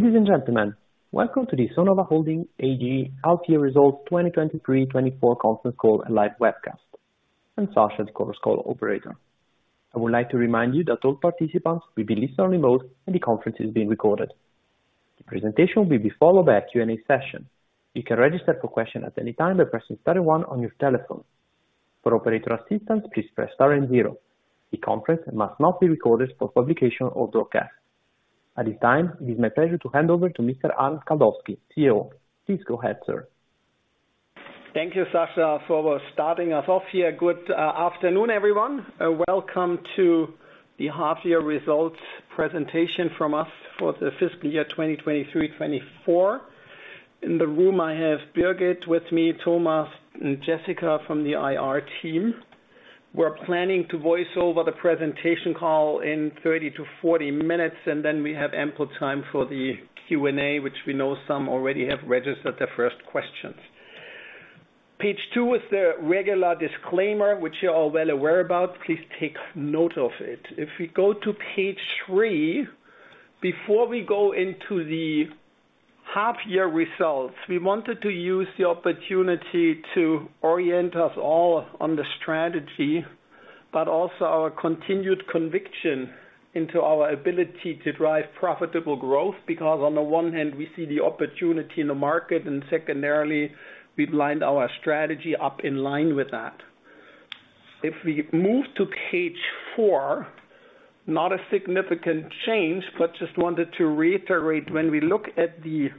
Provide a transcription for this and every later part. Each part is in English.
Ladies and gentlemen, welcome to the Sonova Holding AG Half-Year Results 2023/24 conference call and live webcast. I'm Sasha, the conference call operator. I would like to remind you that all participants will be listening remote and the conference is being recorded. The presentation will be followed by a Q&A session. You can register for question at any time by pressing star one on your telephone. For operator assistance, please press star and zero. The conference must not be recorded for publication or broadcast. At this time, it is my pleasure to hand over to Mr. Arnd Kaldowski, CEO. Please go ahead, sir. Thank you, Sasha, for starting us off here. Good afternoon, everyone, and welcome to the half year results presentation from us for the fiscal year 2023-2024. In the room, I have Birgit with me, Thomas and Jessica from the IR team. We're planning to voice over the presentation call in 30-40 minutes, and then we have ample time for the Q&A, which we know some already have registered their first questions. Page two is the regular disclaimer, which you're all well aware about. Please take note of it. If we go to page three, before we go into the half year results, we wanted to use the opportunity to orient us all on the strategy, but also our continued conviction into our ability to drive profitable growth. Because on the one hand, we see the opportunity in the market, and secondarily, we've lined our strategy up in line with that. If we move to page four, not a significant change, but just wanted to reiterate, when we look at the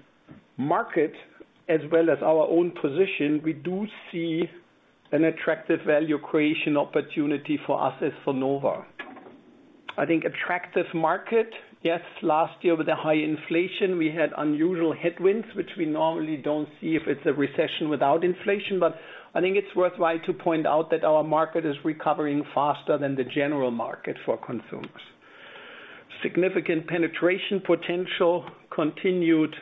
market as well as our own position, we do see an attractive value creation opportunity for us as Sonova. I think attractive market. Yes, last year with the high inflation, we had unusual headwinds, which we normally don't see if it's a recession without inflation. But I think it's worthwhile to point out that our market is recovering faster than the general market for consumers. Significant penetration potential, continued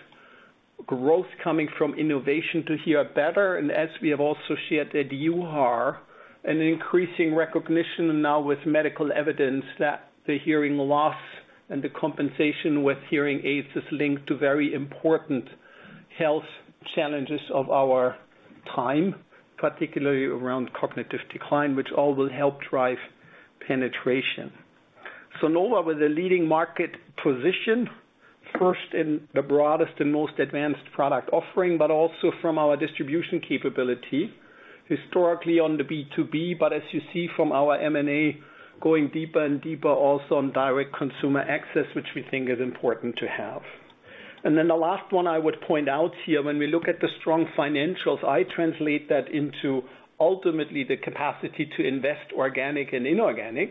growth coming from innovation to hear better, and as we have also shared at EUHA, an increasing recognition now with medical evidence that the hearing loss and the compensation with hearing aids is linked to very important health challenges of our time, particularly around cognitive decline, which all will help drive penetration. Sonova, with a leading market position, first in the broadest and most advanced product offering, but also from our distribution capability, historically on the B2B. But as you see from our M&A, going deeper and deeper also on direct consumer access, which we think is important to have. And then the last one I would point out here, when we look at the strong financials, I translate that into ultimately the capacity to invest organic and inorganic,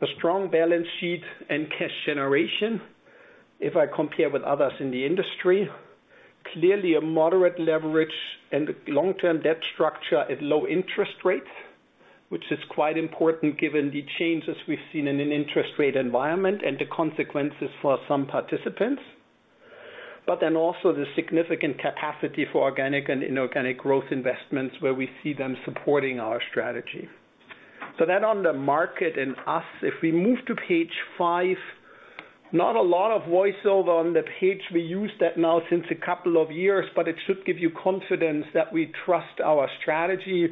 the strong balance sheet and cash generation, if I compare with others in the industry. Clearly a moderate leverage and long-term debt structure at low interest rates, which is quite important given the changes we've seen in an interest rate environment and the consequences for some participants, but then also the significant capacity for organic and inorganic growth investments where we see them supporting our strategy. So that on the market and us, if we move to page five, not a lot of voiceover on the page. We use that now since a couple of years, but it should give you confidence that we trust our strategy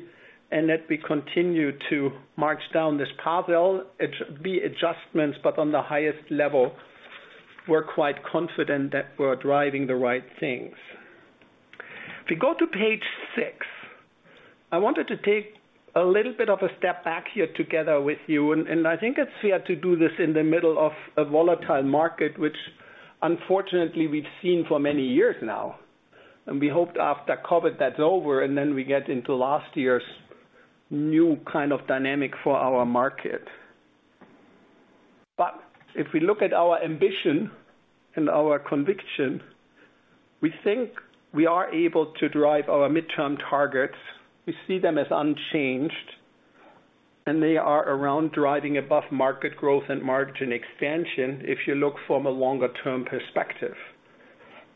and that we continue to march down this path. There'll be adjustments, but on the highest level, we're quite confident that we're driving the right things. If we go to page six, I wanted to take a little bit of a step back here together with you, and, and I think it's fair to do this in the middle of a volatile market, which unfortunately we've seen for many years now. We hoped after COVID, that's over, and then we get into last year's new kind of dynamic for our market. But if we look at our ambition and our conviction, we think we are able to drive our midterm targets. We see them as unchanged, and they are around driving above market growth and margin expansion, if you look from a longer-term perspective.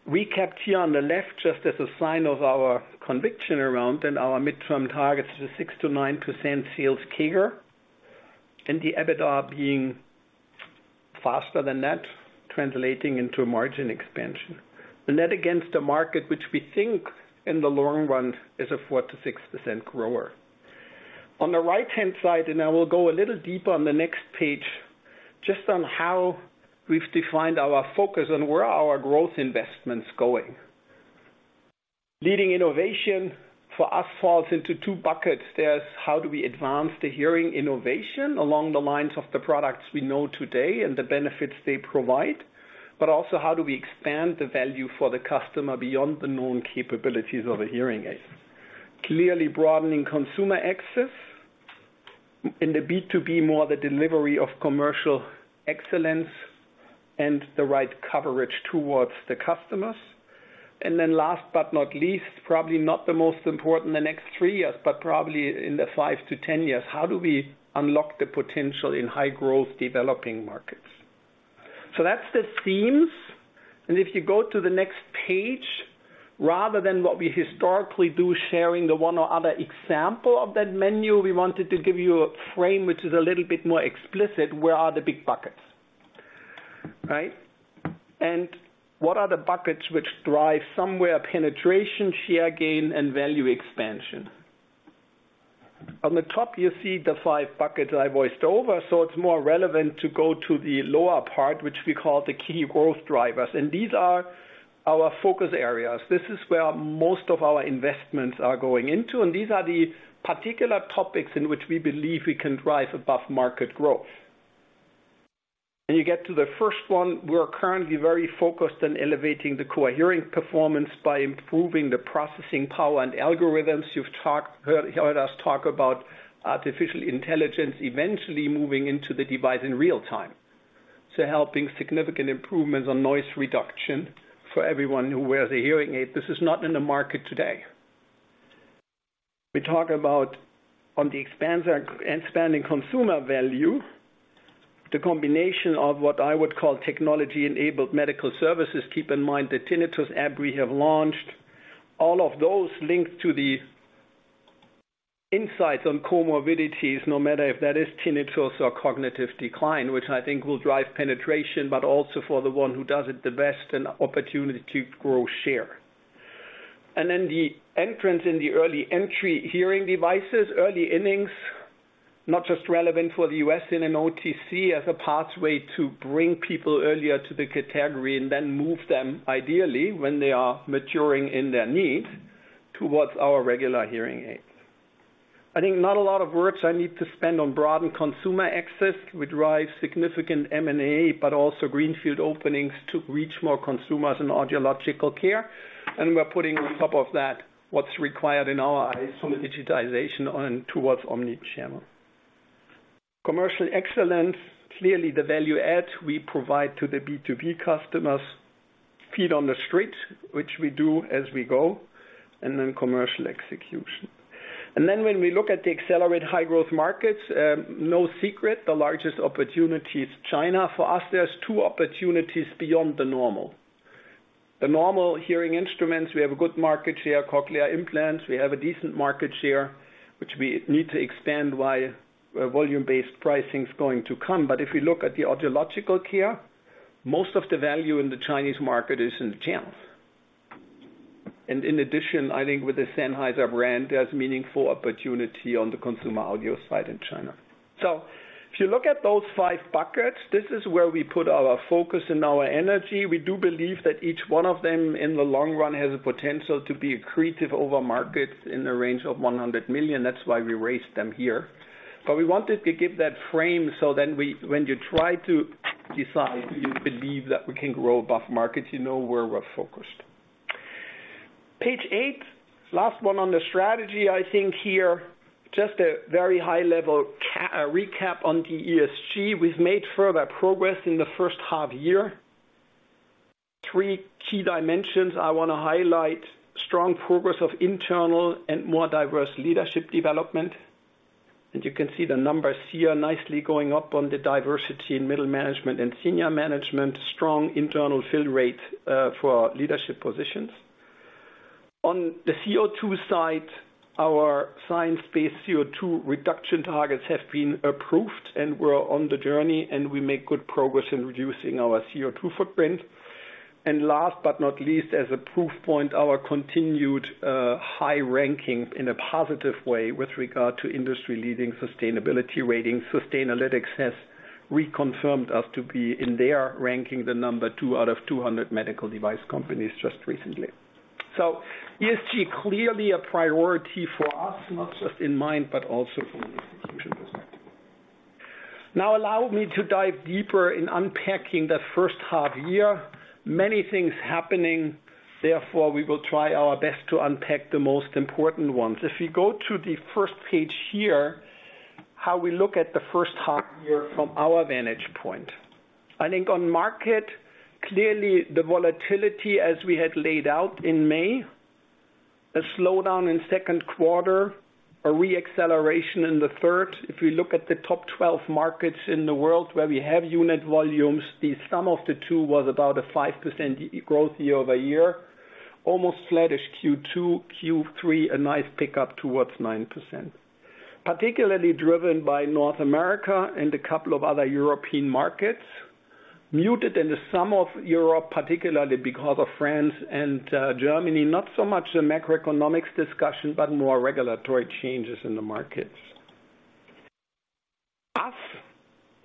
We kept here on the left, just as a sign of our conviction around and our midterm targets is a 6%-9% sales CAGR, and the EBITDA being faster than that, translating into a margin expansion. And that against a market, which we think in the long run, is a 4%-6% grower. On the right-hand side, and I will go a little deeper on the next page, just on how we've defined our focus and where are our growth investments going. Leading innovation for us falls into two buckets. There's how do we advance the hearing innovation along the lines of the products we know today and the benefits they provide, but also how do we expand the value for the customer beyond the known capabilities of a hearing aid? Clearly broadening consumer access in the B2B, more the delivery of commercial excellence and the right coverage towards the customers. Then last but not least, probably not the most important the next three years, but probably in the five to 10 years, how do we unlock the potential in high growth developing markets? So that's the themes, and if you go to the next page, rather than what we historically do, sharing the one or other example of that menu, we wanted to give you a frame which is a little bit more explicit, where are the big buckets? Right? And what are the buckets which drive somewhere penetration, share gain, and value expansion? On the top, you see the five buckets I voiced over, so it's more relevant to go to the lower part, which we call the key growth drivers, and these are our focus areas. This is where most of our investments are going into, and these are the particular topics in which we believe we can drive above market growth. When you get to the first one, we are currently very focused on elevating the core hearing performance by improving the processing power and algorithms. You've talked, heard us talk about artificial intelligence eventually moving into the device in real time, so helping significant improvements on noise reduction for everyone who wears a hearing aid. This is not in the market today. We talk about on the expansion-expanding consumer value, the combination of what I would call technology-enabled medical services. Keep in mind, the tinnitus app we have launched, all of those linked to the insights on comorbidities, no matter if that is tinnitus or cognitive decline, which I think will drive penetration, but also for the one who does it the best, an opportunity to grow share. And then the entrance in the early entry hearing devices, early innings, not just relevant for the U.S. in an OTC, as a pathway to bring people earlier to the category and then move them ideally, when they are maturing in their needs, towards our regular hearing aids. I think not a lot of words I need to spend on broaden consumer access, we drive significant M&A, but also greenfield openings to reach more consumers in audiological care. And we're putting on top of that, what's required in our eyes from the digitization on towards omni channel. Commercial excellence, clearly the value add we provide to the B2B customers, feet on the street, which we do as we go, and then commercial execution. Then when we look at the accelerate high growth markets, no secret, the largest opportunity is China. For us, there's two opportunities beyond the normal. The normal hearing instruments, we have a good market share. Cochlear implants, we have a decent market share, which we need to expand, why a volume-based pricing is going to come. But if we look at the audiological care, most of the value in the Chinese market is in the channels. And in addition, I think with the Sennheiser brand, there's meaningful opportunity on the consumer audio side in China. So if you look at those five buckets, this is where we put our focus and our energy. We do believe that each one of them, in the long run, has the potential to be accretive over markets in the range of 100 million. That's why we raised them here. But we wanted to give that frame, so then we—when you try to decide, you believe that we can grow above markets, you know where we're focused. Page eight, last one on the strategy, I think here, just a very high level recap on the ESG. We've made further progress in the first half year. Three key dimensions I wanna highlight, strong progress of internal and more diverse leadership development. And you can see the numbers here nicely going up on the diversity in middle management and senior management. Strong internal fill rate for leadership positions. On the CO₂ side, our science-based CO₂ reduction targets have been approved, and we're on the journey, and we make good progress in reducing our CO₂ footprint. And last but not least, as a proof point, our continued high ranking in a positive way with regard to industry-leading sustainability ratings. Sustainalytics has reconfirmed us to be in their ranking, the number two out of 200 medical device companies just recently. So ESG, clearly a priority for us, not just in mind, but also from an execution perspective. Now, allow me to dive deeper in unpacking the first half year. Many things happening, therefore, we will try our best to unpack the most important ones. If you go to the first page here, how we look at the first half year from our vantage point. I think on market, clearly the volatility, as we had laid out in May, a slowdown in second quarter, a re-acceleration in the third. If we look at the top 12 markets in the world where we have unit volumes, the sum of the two was about a 5% growth year-over-year, almost flattish Q2, Q3, a nice pickup towards 9%. Particularly driven by North America and a couple of other European markets, muted in the sum of Europe, particularly because of France and Germany, not so much the macroeconomics discussion, but more regulatory changes in the markets. We,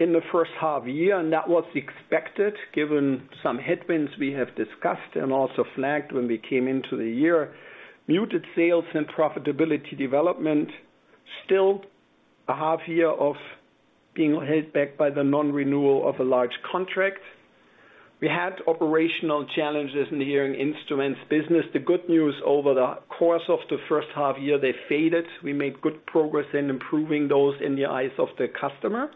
in the first half year, and that was expected, given some headwinds we have discussed and also flagged when we came into the year, muted sales and profitability development. Still, a half year of being held back by the non-renewal of a large contract. We had operational challenges in the hearing instruments business. The good news over the course of the first half year, they faded. We made good progress in improving those in the eyes of the customer,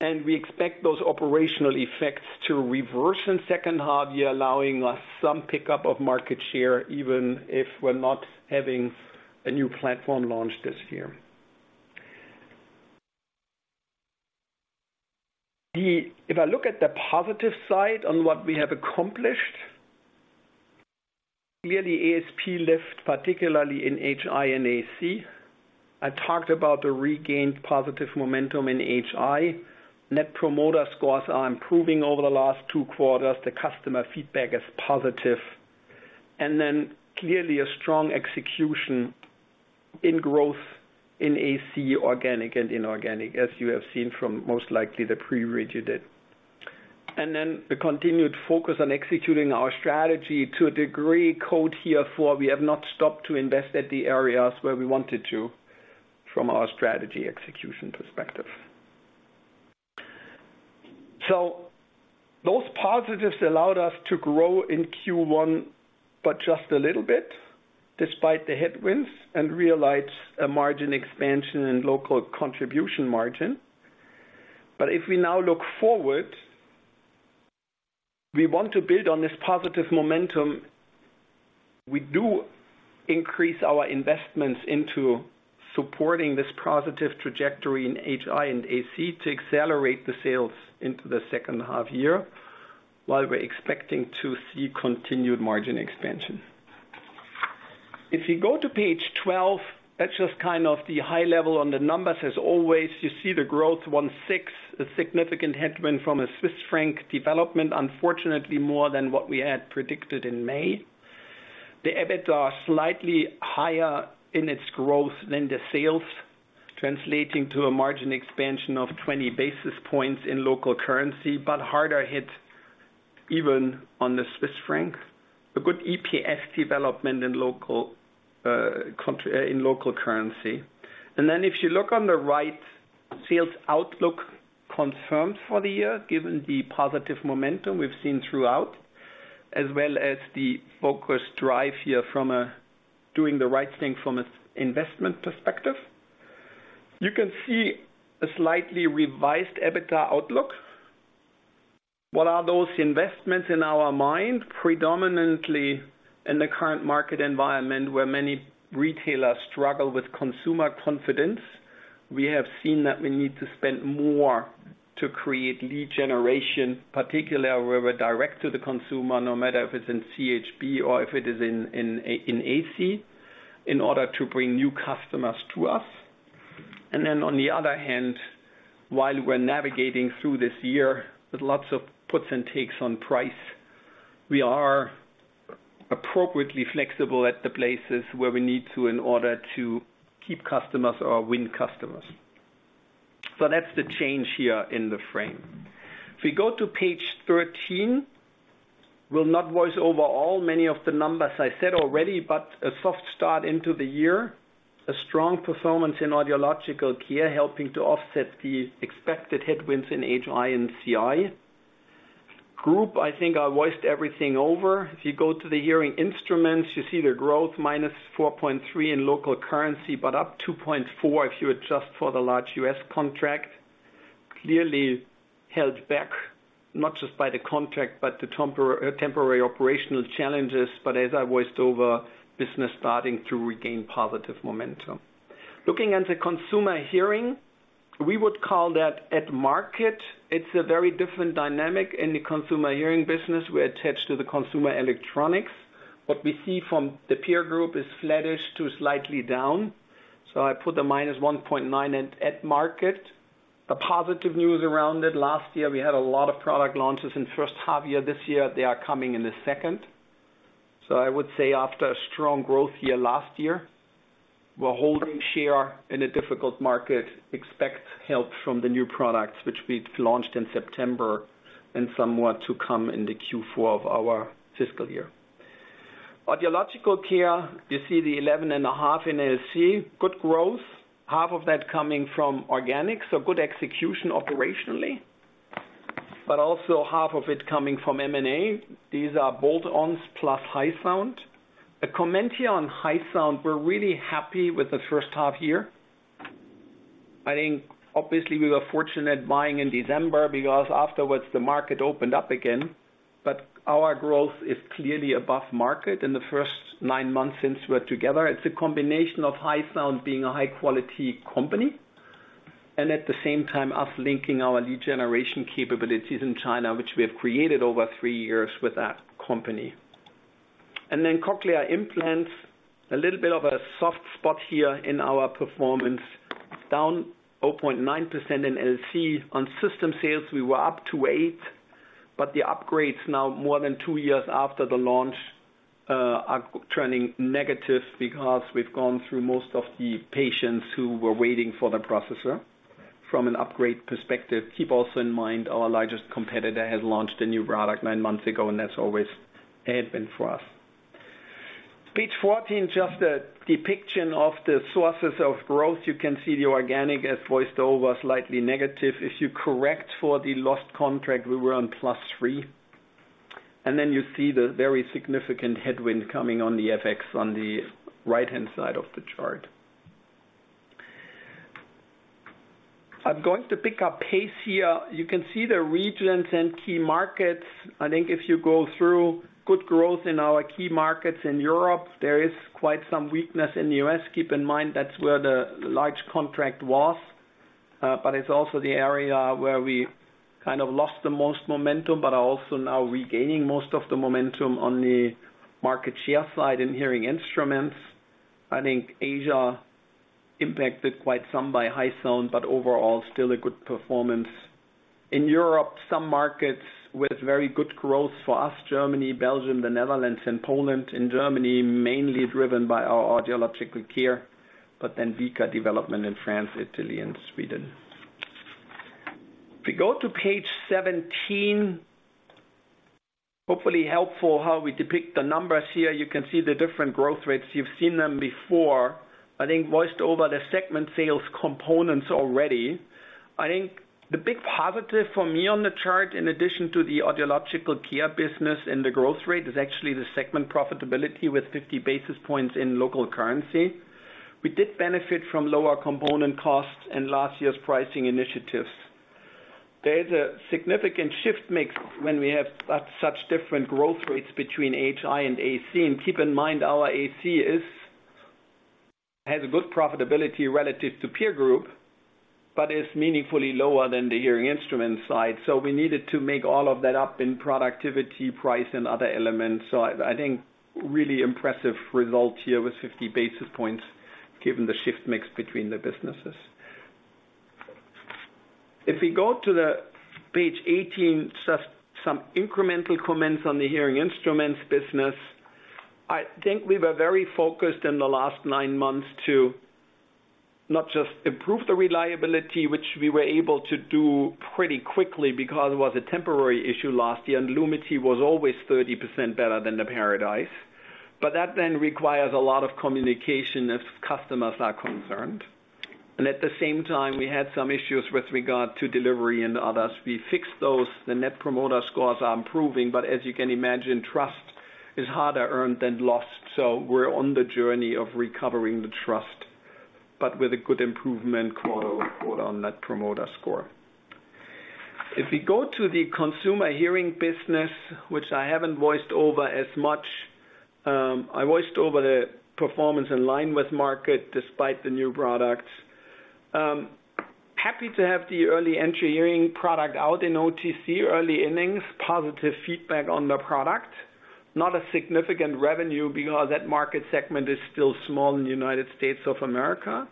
and we expect those operational effects to reverse in second half year, allowing us some pickup of market share, even if we're not having a new platform launch this year. Then, if I look at the positive side on what we have accomplished, clearly ASP lift, particularly in HI and AC. I talked about the regained positive momentum in HI. Net promoter scores are improving over the last two quarters. The customer feedback is positive, and then clearly a strong execution in growth in AC, organic and inorganic, as you have seen from most likely the acquisition. Then the continued focus on executing our strategy to a degree, good here, for we have not stopped to invest in the areas where we wanted to, from our strategy execution perspective. So those positives allowed us to grow in Q1, but just a little bit, despite the headwinds, and realize a margin expansion and local contribution margin. But if we now look forward, we want to build on this positive momentum. We do increase our investments into supporting this positive trajectory in HI and AC to accelerate the sales into the second half year, while we're expecting to see continued margin expansion. If you go to page 12, that's just kind of the high level on the numbers. As always, you see the growth 1.6, a significant headwind from a Swiss franc development, unfortunately, more than what we had predicted in May. The EBITDA are slightly higher in its growth than the sales, translating to a margin expansion of 20 basis points in local currency, but harder hit even on the Swiss franc. A good EPS development in local, country, in local currency. And then if you look on the right, sales outlook confirmed for the year, given the positive momentum we've seen throughout, as well as the focused drive here from a doing the right thing from an investment perspective. You can see a slightly revised EBITDA outlook. What are those investments in our mind? Predominantly, in the current market environment, where many retailers struggle with consumer confidence, we have seen that we need to spend more to create lead generation, particularly where we're direct to the consumer, no matter if it's in CHB or if it is in AC, in order to bring new customers to us. Then, on the other hand, while we're navigating through this year with lots of puts and takes on price, we are appropriately flexible at the places where we need to in order to keep customers or win customers. That's the change here in the frame. If we go to page 13, we'll not voice over all many of the numbers I said already, but a soft start into the year, a strong performance in audiological care, helping to offset the expected headwinds in HI and CI. Group, I think I voiced everything over. If you go to the hearing instruments, you see the growth -4.3% in local currency, but up +2.4%, if you adjust for the large US contract. Clearly held back, not just by the contract, but the temporary operational challenges, but as I voiced over, business starting to regain positive momentum. Looking at the consumer hearing, we would call that at market. It's a very different dynamic in the consumer hearing business. We're attached to the consumer electronics. What we see from the peer group is flattish to slightly down, so I put the -1.9% at market. The positive news around it, last year, we had a lot of product launches in first half year. This year, they are coming in the second. So I would say after a strong growth year last year, we're holding share in a difficult market, expect help from the new products which we've launched in September and somewhat to come in the Q4 of our fiscal year. Audiological care, you see the 11.5 in LC, good growth, half of that coming from organic, so good execution operationally, but also half of it coming from M&A. These are bolt-on plus HYSOUND. A comment here on HYSOUND, we're really happy with the first half year. I think obviously we were fortunate buying in December because afterwards the market opened up again, but our growth is clearly above market in the first nine months since we're together. It's a combination of HYSOUND being a high-quality company, and at the same time, us linking our lead generation capabilities in China, which we have created over three years with that company. And then cochlear implants, a little bit of a soft spot here in our performance, down 0.9% in LC. On system sales, we were up 2.8, but the upgrades now, more than two years after the launch, are turning negative because we've gone through most of the patients who were waiting for the processor from an upgrade perspective. Keep also in mind, our largest competitor has launched a new product nine months ago, and that's always a headwind for us. Page 14, just a depiction of the sources of growth. You can see the organic, as voiced over, slightly negative. If you correct for the lost contract, we were on +3%, and then you see the very significant headwind coming on the FX on the right-hand side of the chart. I'm going to pick up pace here. You can see the regions and key markets. I think if you go through good growth in our key markets in Europe, there is quite some weakness in the U.S. Keep in mind, that's where the large contract was.... But it's also the area where we kind of lost the most momentum, but are also now regaining most of the momentum on the market share side in hearing instruments. I think Asia impacted quite some by HYSOUND, but overall, still a good performance. In Europe, some markets with very good growth for us, Germany, Belgium, the Netherlands and Poland, and Germany, mainly driven by our audiological care, but then weaker development in France, Italy, and Sweden. If we go to page 17, hopefully helpful how we depict the numbers here. You can see the different growth rates. You've seen them before, I think voiced over the segment sales components already. I think the big positive for me on the chart, in addition to the audiological care business and the growth rate, is actually the segment profitability with 50 basis points in local currency. We did benefit from lower component costs and last year's pricing initiatives. There is a significant shift mix when we have such different growth rates between HI and AC. Keep in mind, our AC is, has a good profitability relative to peer group, but is meaningfully lower than the hearing instrument side. So we needed to make all of that up in productivity, price, and other elements. So I, I think, really impressive result here with 50 basis points, given the shift mix between the businesses. If we go to page 18, just some incremental comments on the hearing instruments business. I think we were very focused in the last nine months to not just improve the reliability, which we were able to do pretty quickly because it was a temporary issue last year, and Lumity was always 30% better than the Paradise. But that then requires a lot of communication, as customers are concerned. And at the same time, we had some issues with regard to delivery and others. We fixed those. The net promoter scores are improving, but as you can imagine, trust is harder earned than lost. So we're on the journey of recovering the trust, but with a good improvement, quote, unquote, on net promoter score. If we go to the consumer hearing business, which I haven't voiced over as much, I voiced over the performance in line with market despite the new products. Happy to have the early entry hearing product out in OTC, early innings, positive feedback on the product. Not a significant revenue because that market segment is still small in the United States of America.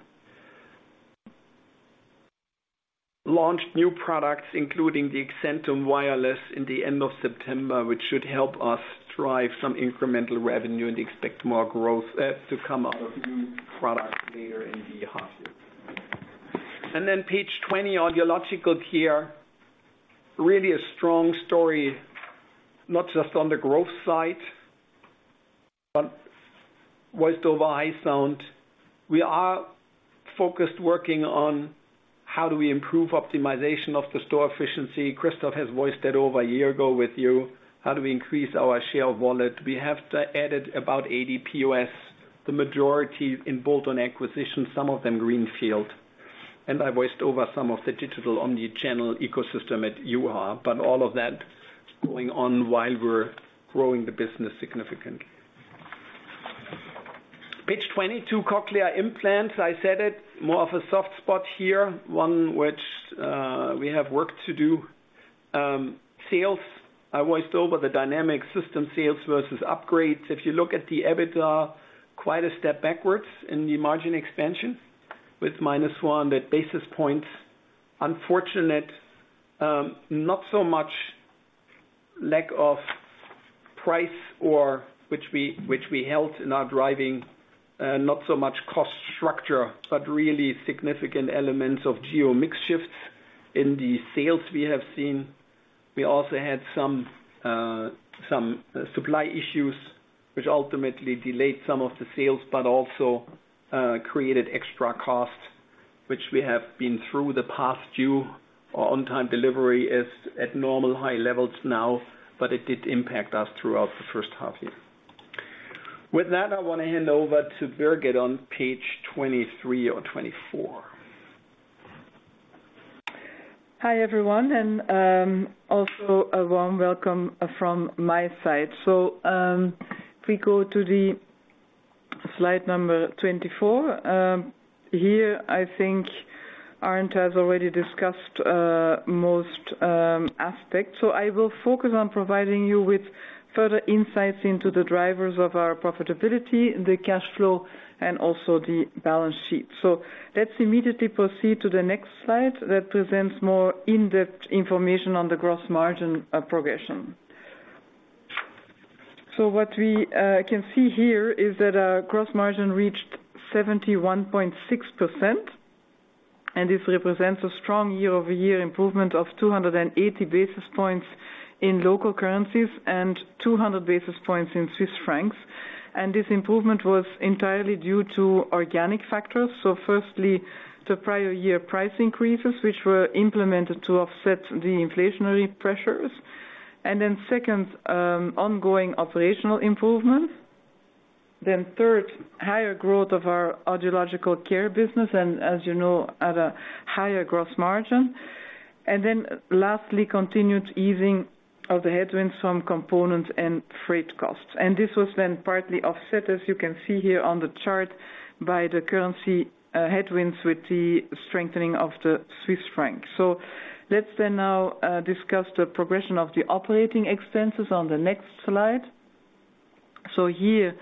Launched new products, including the ACCENTUM Wireless in the end of September, which should help us drive some incremental revenue and expect more growth to come out of new products later in the half year. And then page 20, audiological care. Really a strong story, not just on the growth side, but voiced over HYSOUND. We are focused working on how do we improve optimization of the store efficiency. Christophe has voiced that over a year ago with you. How do we increase our share of wallet? We have to added about 80 POS, the majority in bolt-on acquisition, some of them greenfield. And I voiced over some of the digital omni-channel ecosystem at UR, but all of that going on while we're growing the business significantly. Page 22, cochlear implants, I said it, more of a soft spot here, one which, we have work to do. Sales, I voiced over the dynamic system, sales versus upgrades. If you look at the EBITDA, quite a step backwards in the margin expansion with -1 basis point. Unfortunately, not so much lack of price or which we held in our driving, not so much cost structure, but really significant elements of geo-mix shifts in the sales we have seen. We also had some some supply issues, which ultimately delayed some of the sales, but also created extra costs, which we have been through the past due. Our on-time delivery is at normal high levels now, but it did impact us throughout the first half year. With that, I want to hand over to Birgit on page 23 or 24. Hi, everyone, and also a warm welcome from my side. So if we go to the slide number 24 here, I think Arnd has already discussed most aspects. So I will focus on providing you with further insights into the drivers of our profitability, the cash flow, and also the balance sheet. So let's immediately proceed to the next slide that presents more in-depth information on the gross margin progression. So what we can see here is that our gross margin reached 71.6%, and this represents a strong year-over-year improvement of 280 basis points in local currencies and 200 basis points in Swiss francs. And this improvement was entirely due to organic factors. So firstly, the prior year price increases, which were implemented to offset the inflationary pressures, and then second, ongoing operational improvement. Then third, higher growth of our audiological care business, and as you know, at a higher gross margin.... And then lastly, continued easing of the headwinds from components and freight costs. And this was then partly offset, as you can see here on the chart, by the currency headwinds with the strengthening of the Swiss franc. So let's then now discuss the progression of the operating expenses on the next slide. So here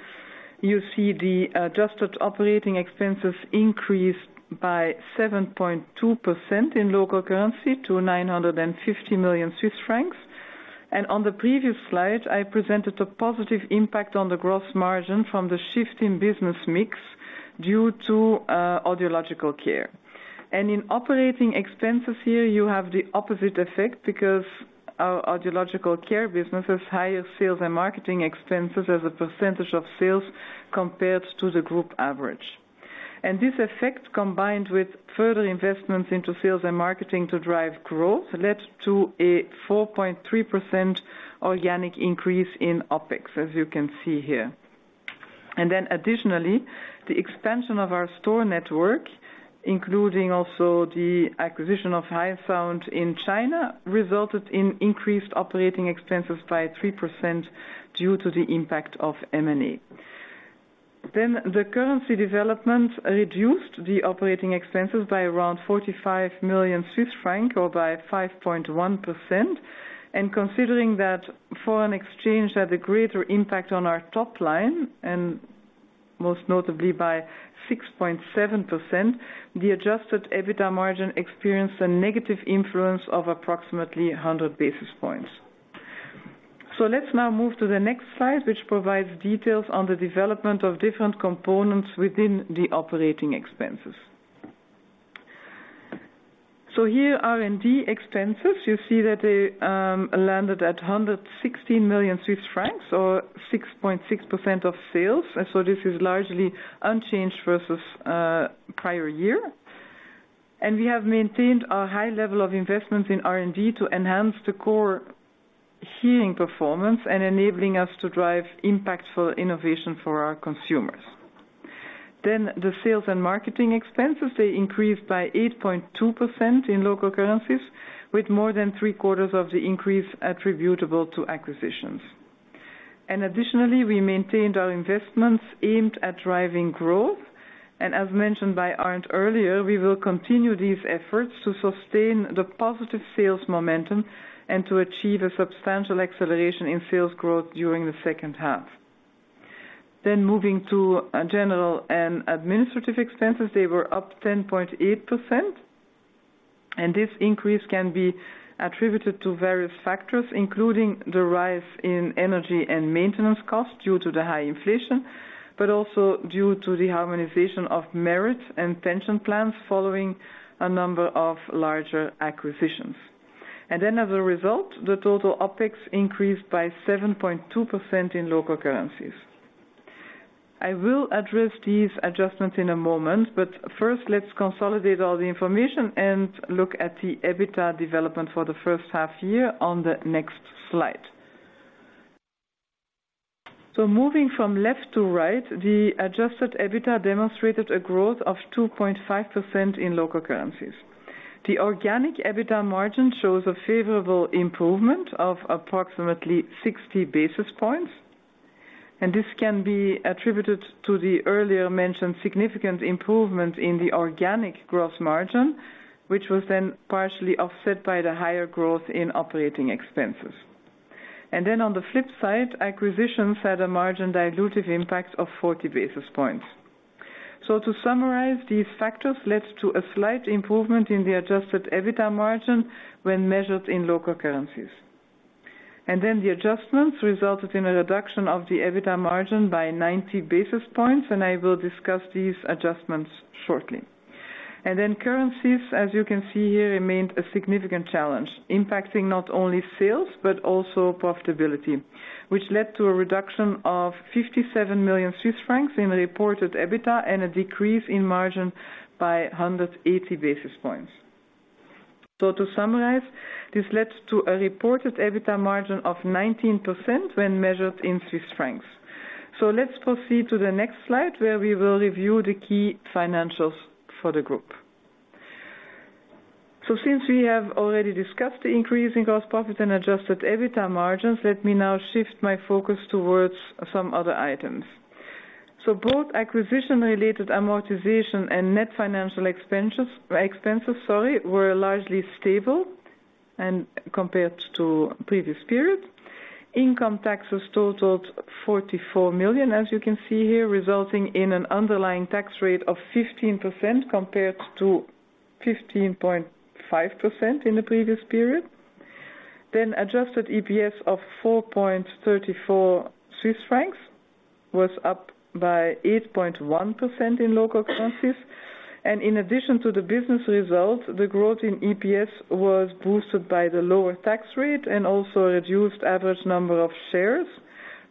you see the adjusted operating expenses increased by 7.2% in local currency to 950 million Swiss francs. And on the previous slide, I presented a positive impact on the gross margin from the shift in business mix due to audiological care. In operating expenses here, you have the opposite effect because our audiological care business has higher sales and marketing expenses as a percentage of sales compared to the group average. This effect, combined with further investments into sales and marketing to drive growth, led to a 4.3% organic increase in OpEx, as you can see here. Additionally, the expansion of our store network, including also the acquisition of HYSOUND in China, resulted in increased operating expenses by 3% due to the impact of M&A. The currency development reduced the operating expenses by around 45 million Swiss francs or by 5.1%. Considering that foreign exchange had a greater impact on our top line, and most notably by 6.7%, the adjusted EBITDA margin experienced a negative influence of approximately 100 basis points. So let's now move to the next slide, which provides details on the development of different components within the operating expenses. So here, R&D expenses, you see that they landed at 116 million Swiss francs, or 6.6% of sales. And so this is largely unchanged versus prior year. And we have maintained a high level of investment in R&D to enhance the core hearing performance and enabling us to drive impactful innovation for our consumers. Then the sales and marketing expenses, they increased by 8.2% in local currencies, with more than three-quarters of the increase attributable to acquisitions. And additionally, we maintained our investments aimed at driving growth, and as mentioned by Arnd earlier, we will continue these efforts to sustain the positive sales momentum and to achieve a substantial acceleration in sales growth during the second half. Then moving to general and administrative expenses, they were up 10.8%, and this increase can be attributed to various factors, including the rise in energy and maintenance costs due to the high inflation, but also due to the harmonization of merit and pension plans following a number of larger acquisitions. And then as a result, the total OpEx increased by 7.2% in local currencies. I will address these adjustments in a moment, but first, let's consolidate all the information and look at the EBITDA development for the first half year on the next slide. So moving from left to right, the adjusted EBITDA demonstrated a growth of 2.5% in local currencies. The organic EBITDA margin shows a favorable improvement of approximately 60 basis points, and this can be attributed to the earlier mentioned significant improvement in the organic gross margin, which was then partially offset by the higher growth in operating expenses. On the flip side, acquisitions had a margin dilutive impact of 40 basis points. To summarize, these factors led to a slight improvement in the adjusted EBITDA margin when measured in local currencies. The adjustments resulted in a reduction of the EBITDA margin by 90 basis points, and I will discuss these adjustments shortly. Currencies, as you can see here, remained a significant challenge, impacting not only sales, but also profitability, which led to a reduction of 57 million Swiss francs in reported EBITDA and a decrease in margin by 180 basis points. To summarize, this led to a reported EBITDA margin of 19% when measured in Swiss francs. Let's proceed to the next slide, where we will review the key financials for the group. Since we have already discussed the increase in gross profit and adjusted EBITDA margins, let me now shift my focus towards some other items. Both acquisition-related amortization and net financial expenses, expenses, sorry, were largely stable and compared to previous periods. Income taxes totaled 44 million, as you can see here, resulting in an underlying tax rate of 15%, compared to 15.5% in the previous period. Then adjusted EPS of 4.34 was up by 8.1% in local currencies. In addition to the business result, the growth in EPS was boosted by the lower tax rate and also a reduced average number of shares,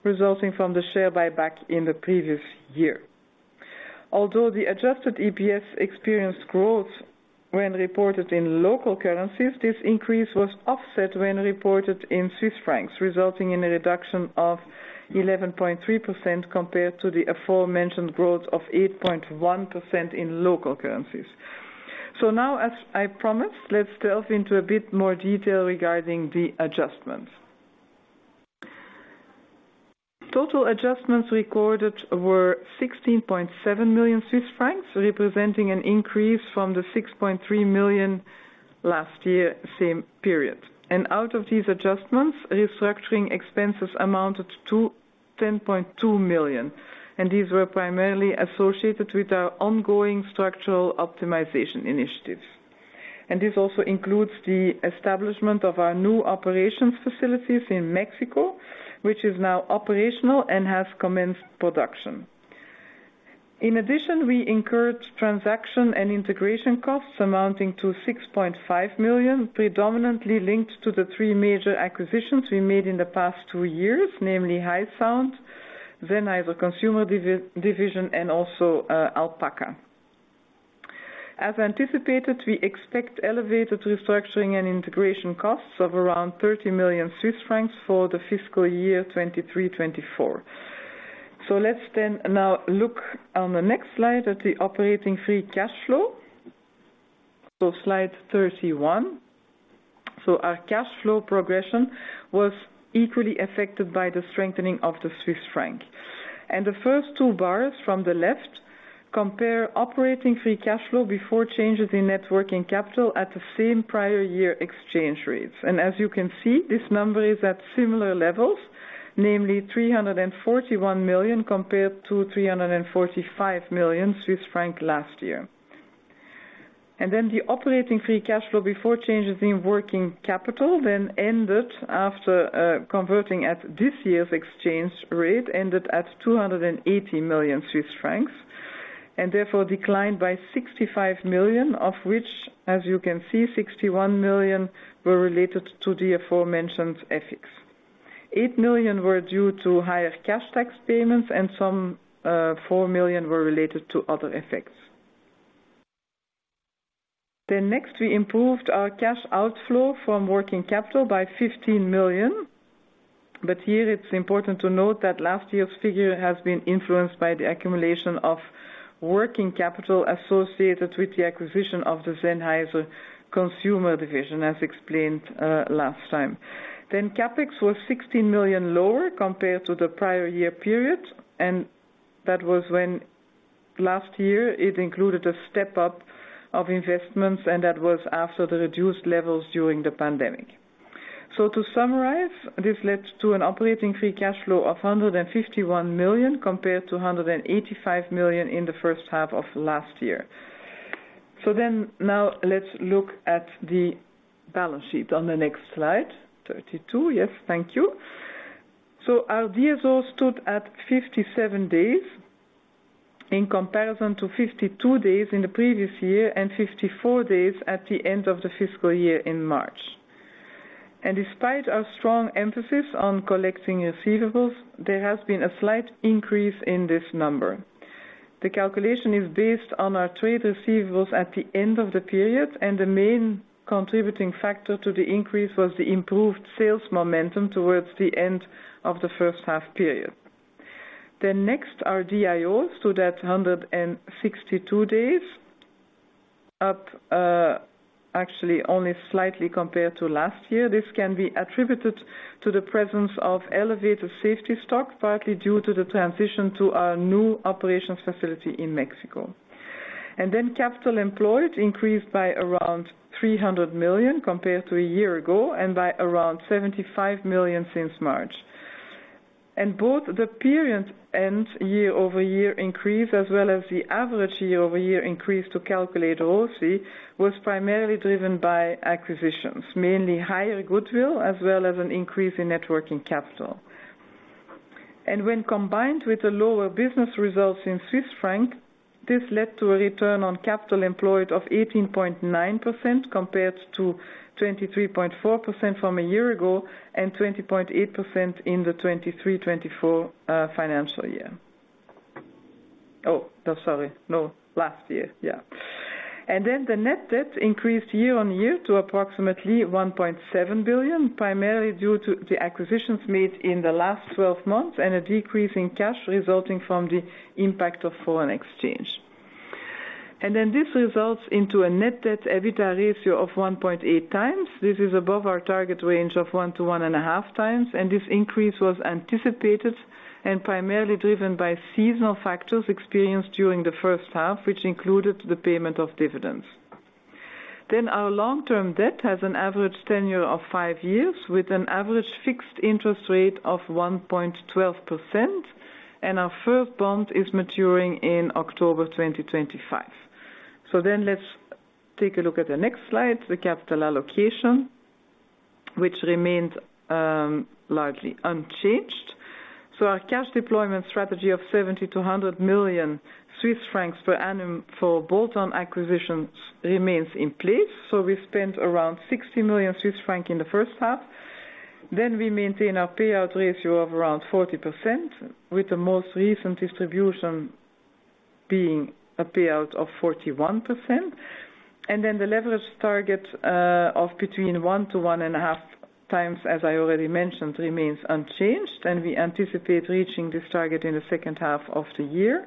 resulting from the share buyback in the previous year. Although the adjusted EPS experienced growth when reported in local currencies, this increase was offset when reported in Swiss francs, resulting in a reduction of 11.3% compared to the aforementioned growth of 8.1% in local currencies. So now, as I promised, let's delve into a bit more detail regarding the adjustments. Total adjustments recorded were 16.7 million Swiss francs, representing an increase from the 6.3 million last year, same period. Out of these adjustments, restructuring expenses amounted to 10.2 million, and these were primarily associated with our ongoing structural optimization initiatives. This also includes the establishment of our new operations facilities in Mexico, which is now operational and has commenced production. In addition, we incurred transaction and integration costs amounting to 6.5 million, predominantly linked to the three major acquisitions we made in the past two years, namely HYSOUND, Sennheiser Consumer Division, and also Alpaca. As anticipated, we expect elevated restructuring and integration costs of around 30 million Swiss francs for the fiscal year 2023-2024. Let's then now look on the next slide at the operating free cash flow. Slide 31. Our cash flow progression was equally affected by the strengthening of the Swiss franc. The first two bars from the left compare operating free cash flow before changes in net working capital at the same prior year exchange rates. As you can see, this number is at similar levels, namely 341 million, compared to 345 million Swiss francs last year. And then the operating free cash flow before changes in working capital then ended after converting at this year's exchange rate, ended at 280 million Swiss francs, and therefore declined by 65 million, of which, as you can see, 61 million were related to the aforementioned effects. 8 million were due to higher cash tax payments, and some four million were related to other effects. Then next, we improved our cash outflow from working capital by 15 million. But here it's important to note that last year's figure has been influenced by the accumulation of working capital associated with the acquisition of the Sennheiser Consumer Division, as explained last time. Then CapEx was 16 million lower compared to the prior year period, and that was when last year it included a step up of investments, and that was after the reduced levels during the pandemic. So to summarize, this led to an operating free cash flow of 151 million, compared to 185 million in the first half of last year. So then now let's look at the balance sheet on the next slide. 32. Yes, thank you. So our DSO stood at 57 days in comparison to 52 days in the previous year and 54 days at the end of the fiscal year in March. And despite our strong emphasis on collecting receivables, there has been a slight increase in this number. The calculation is based on our trade receivables at the end of the period, and the main contributing factor to the increase was the improved sales momentum towards the end of the first half period. Next, our DIO stood at 162 days, up, actually only slightly compared to last year. This can be attributed to the presence of elevated safety stock, partly due to the transition to our new operations facility in Mexico. And then capital employed increased by around 300 million compared to a year ago, and by around 75 million since March. And both the period end year-over-year increase, as well as the average year-over-year increase to calculate ROCE, was primarily driven by acquisitions, mainly higher goodwill, as well as an increase in net working capital. When combined with the lower business results in Swiss franc, this led to a return on capital employed of 18.9%, compared to 23.4% from a year ago, and 20.8% in the 2023-2024 financial year. Oh, no, sorry. No, last year. Yeah. Then the net debt increased year-on-year to approximately 1.7 billion, primarily due to the acquisitions made in the last 12 months, and a decrease in cash resulting from the impact of foreign exchange. Then this results into a net debt EBITDA ratio of 1.8x. This is above our target range of 1-1.5x, and this increase was anticipated and primarily driven by seasonal factors experienced during the first half, which included the payment of dividends. Then our long-term debt has an average tenure of five years, with an average fixed interest rate of 1.12%, and our first bond is maturing in October 2025. So then let's take a look at the next slide, the capital allocation, which remains largely unchanged. So our cash deployment strategy of 70-100 million Swiss francs per annum for bolt-on acquisitions remains in place. So we spent around 60 million Swiss francs in the first half. Then we maintain our payout ratio of around 40%, with the most recent distribution being a payout of 41%. And then the leverage target of between 1-1.5x, as I already mentioned, remains unchanged, and we anticipate reaching this target in the second half of the year.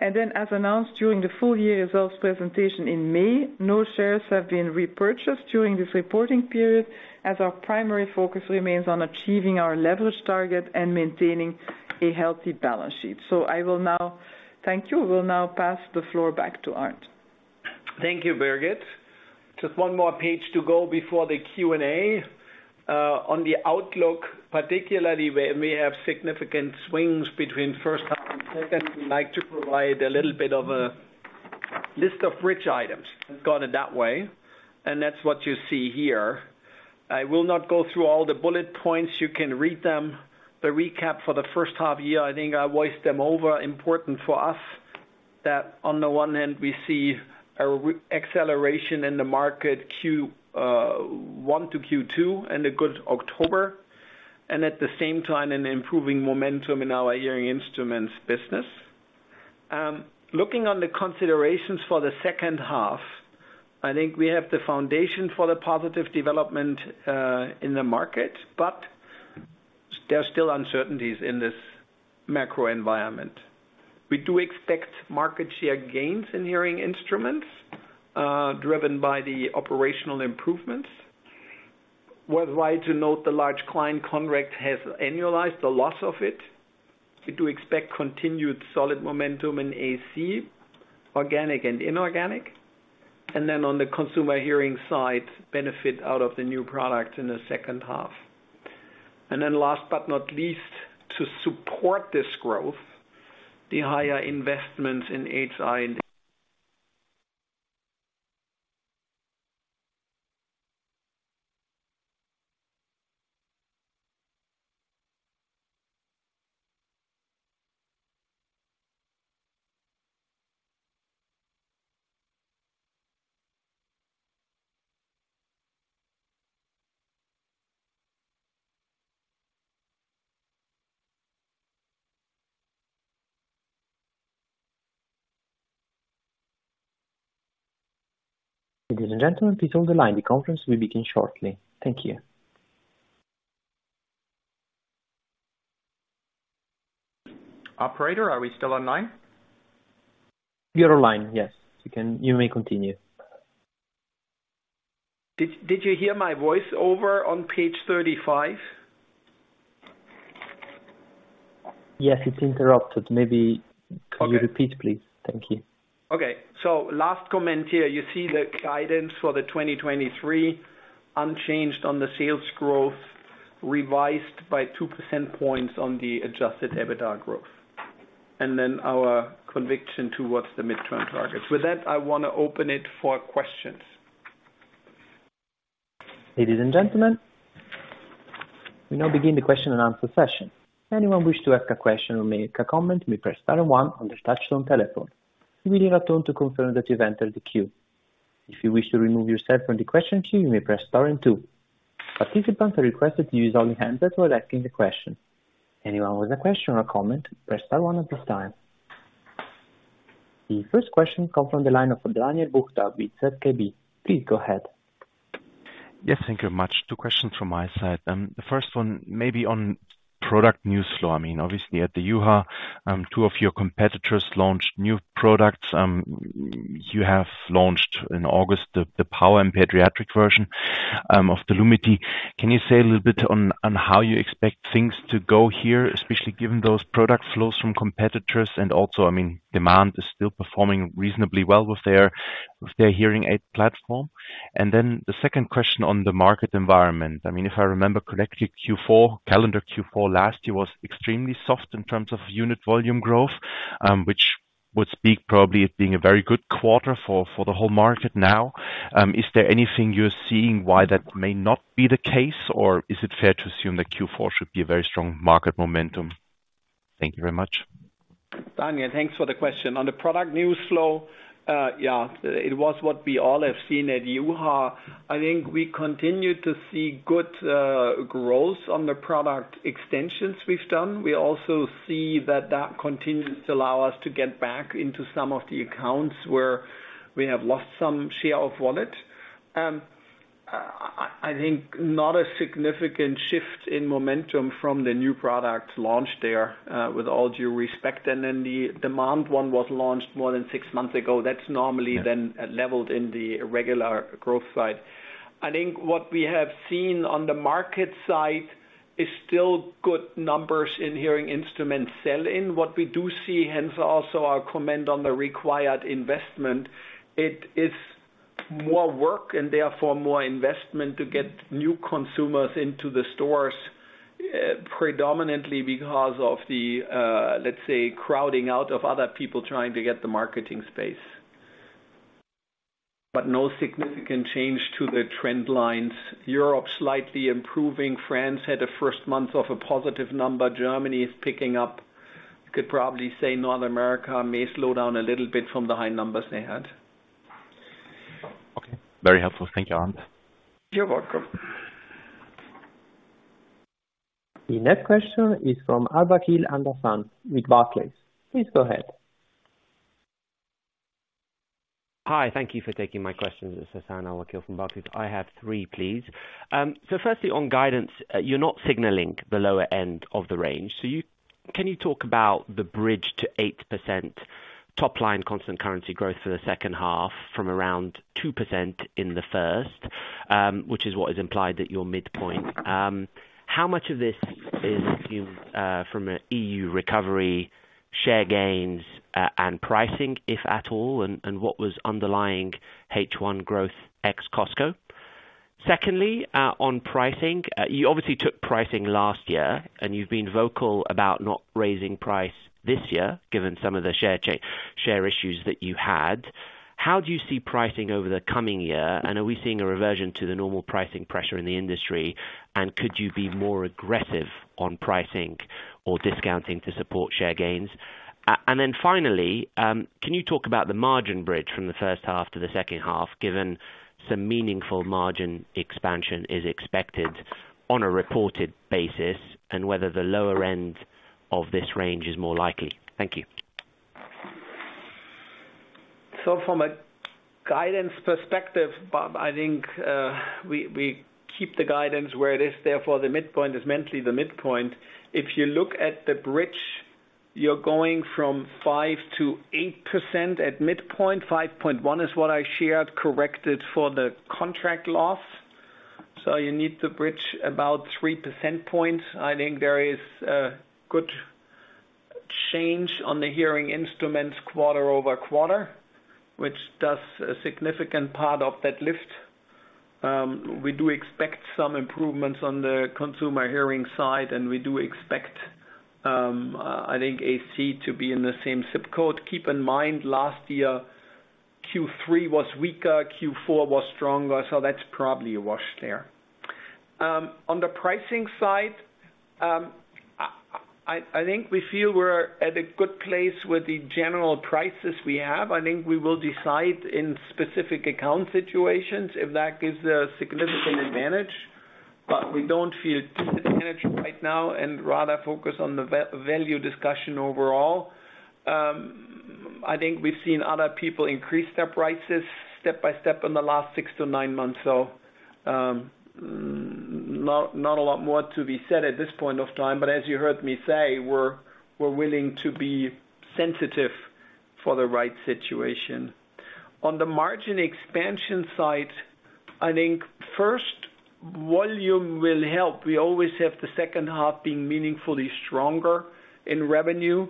Then as announced during the full year results presentation in May, no shares have been repurchased during this reporting period, as our primary focus remains on achieving our leverage target and maintaining a healthy balance sheet. I will now thank you. We'll now pass the floor back to Arnd. Thank you, Birgit. Just one more page to go before the Q&A. On the outlook, particularly when we have significant swings between first half and second, we like to provide a little bit of a list of rich items. We've got it that way, and that's what you see here. I will not go through all the bullet points. You can read them. The recap for the first half year, I think I voiced them over. Important for us, that on the one hand, we see a re-acceleration in the market Q1 to Q2 and a good October, and at the same time, an improving momentum in our hearing instruments business. Looking on the considerations for the second half, I think we have the foundation for the positive development in the market, but there are still uncertainties in this macro environment. We do expect market share gains in hearing instruments, driven by the operational improvements. Worthwhile to note, the large client contract has annualized the loss of it. We do expect continued solid momentum in AC, organic and inorganic, and then on the consumer hearing side, benefit out of the new product in the second half. And then last but not least, to support this growth, the higher investments in HI and- Ladies and gentlemen, please hold the line. The conference will begin shortly. Thank you. Operator, are we still online? You're online, yes. You may continue. Did you hear my voice over on page 35? Yes, it's interrupted. Okay. Can you repeat, please? Thank you. Okay, so last comment here, you see the guidance for 2023, unchanged on the sales growth, revised by two percentage points on the adjusted EBITDA growth, and then our conviction towards the midterm targets. With that, I want to open it for questions. Ladies and gentlemen, we now begin the question and answer session. Anyone wish to ask a question or make a comment, may press star one on their touchtone telephone. You will hear a tone to confirm that you've entered the queue. If you wish to remove yourself from the question queue, you may press star and two. Participants are requested to use only hands up for asking the question. Anyone with a question or comment, press star one at this time. The first question comes from the line of Daniel Buchta with ZKB. Please go ahead. Yes, thank you very much. Two questions from my side. The first one may be on product news flow. I mean, obviously at the EUHA, two of your competitors launched new products. You have launched in August, the power and pediatric version of the Lumity. Can you say a little bit on how you expect things to go here, especially given those product flows from competitors, and also, I mean, demand is still performing reasonably well with their hearing aid platform? And then the second question on the market environment, I mean, if I remember correctly, Q4, calendar Q4 last year was extremely soft in terms of unit volume growth, which would speak probably it being a very good quarter for the whole market now. Is there anything you're seeing why that may not be the case, or is it fair to assume that Q4 should be a very strong market momentum? Thank you very much. Daniel, thanks for the question. On the product news flow, yeah, it was what we all have seen at EUHA. I think we continue to see good growth on the product extensions we've done. We also see that that continues to allow us to get back into some of the accounts where we have lost some share of wallet. I, I think not a significant shift in momentum from the new product launched there, with all due respect, and then the demand one was launched more than six months ago. That's normally- Yeah Then leveled in the regular growth side. I think what we have seen on the market side is still good numbers in hearing instruments sell-in. What we do see, hence also our comment on the required investment, it is more work and therefore more investment to get new consumers into the stores, predominantly because of the, let's say, crowding out of other people trying to get the marketing space. But no significant change to the trend lines. Europe slightly improving. France had a first month of a positive number. Germany is picking up. You could probably say North America may slow down a little bit from the high numbers they had. Okay, very helpful. Thank you, Arnd. You're welcome. The next question is from Hassan Al-Wakeel with Barclays. Please go ahead. Hi, thank you for taking my questions. This is Hassan Al-Wakeel from Barclays. I have three, please. So firstly, on guidance, you're not signaling the lower end of the range, so you can talk about the bridge to 8% top line constant currency growth for the second half from around 2% in the first, which is what is implied at your midpoint? How much of this is from an EU recovery, share gains, and pricing, if at all, and what was underlying H1 growth ex Costco? Secondly, on pricing, you obviously took pricing last year, and you've been vocal about not raising price this year, given some of the share issues that you had. How do you see pricing over the coming year, and are we seeing a reversion to the normal pricing pressure in the industry, and could you be more aggressive on pricing or discounting to support share gains? And then finally, can you talk about the margin bridge from the first half to the second half, given some meaningful margin expansion is expected on a reported basis, and whether the lower end of this range is more likely? Thank you. So from a guidance perspective, Bob, I think we keep the guidance where it is, therefore, the midpoint is mentally the midpoint. If you look at the bridge, you're going from 5%-8% at midpoint. 5.1 is what I shared, corrected for the contract loss. So you need to bridge about three percentage points. I think there is a good chance on the hearing instruments quarter-over-quarter, which does a significant part of that lift. We do expect some improvements on the consumer hearing side, and we do expect, I think AC to be in the same ZIP code. Keep in mind, last year, Q3 was weaker, Q4 was stronger, so that's probably a wash there. On the pricing side, I think we feel we're at a good place with the general prices we have. I think we will decide in specific account situations if that gives a significant advantage, but we don't feel disadvantage right now and rather focus on the value discussion overall. I think we've seen other people increase their prices step by step in the last six to nine months. So, not a lot more to be said at this point of time, but as you heard me say, we're willing to be sensitive for the right situation. On the margin expansion side, I think first, volume will help. We always have the second half being meaningfully stronger in revenue,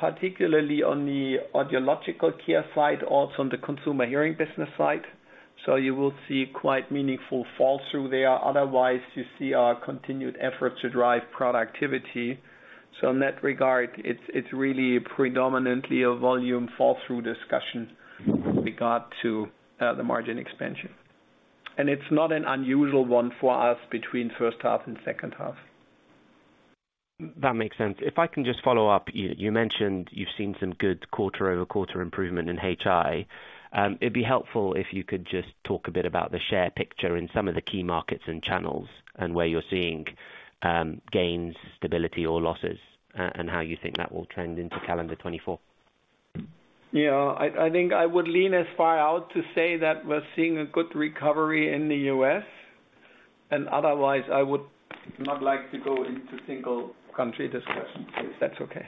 particularly on the audiological care side, also on the consumer hearing business side. So you will see quite meaningful fall through there. Otherwise, you see our continued effort to drive productivity. So in that regard, it's really predominantly a volume fall-through discussion with regard to the margin expansion. And it's not an unusual one for us between first half and second half. That makes sense. If I can just follow up, you mentioned you've seen some good quarter-over-quarter improvement in HI. It'd be helpful if you could just talk a bit about the share picture in some of the key markets and channels, and where you're seeing gains, stability, or losses, and how you think that will trend into calendar 2024. Yeah, I, I think I would lean as far out to say that we're seeing a good recovery in the US, and otherwise, I would not like to go into single country discussion, if that's okay.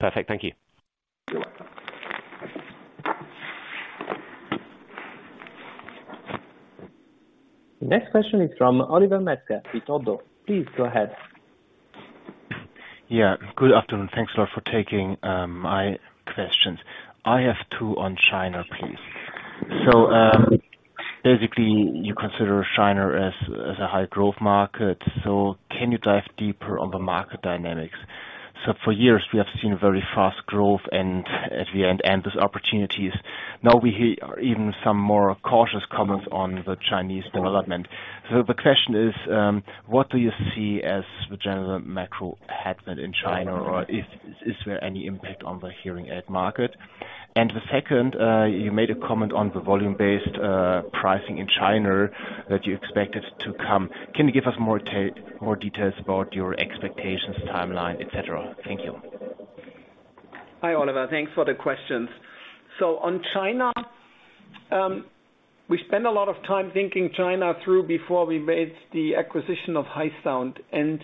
Perfect. Thank you. You're welcome. The next question is from Oliver Metzger, with ODDO. Please go ahead. Yeah, good afternoon. Thanks a lot for taking my questions. I have two on China, please. So, basically, you consider China as a high growth market, so can you dive deeper on the market dynamics? So for years, we have seen a very fast growth, and at the end, endless opportunities. Now we hear even some more cautious comments on the Chinese development. So the question is, what do you see as the general macro headwind in China, or is there any impact on the hearing aid market? And the second, you made a comment on the volume-based pricing in China that you expected to come. Can you give us more details about your expectations, timeline, etc.? Thank you. Hi, Oliver. Thanks for the questions. So on China, we spent a lot of time thinking China through before we made the acquisition of HYSOUND, and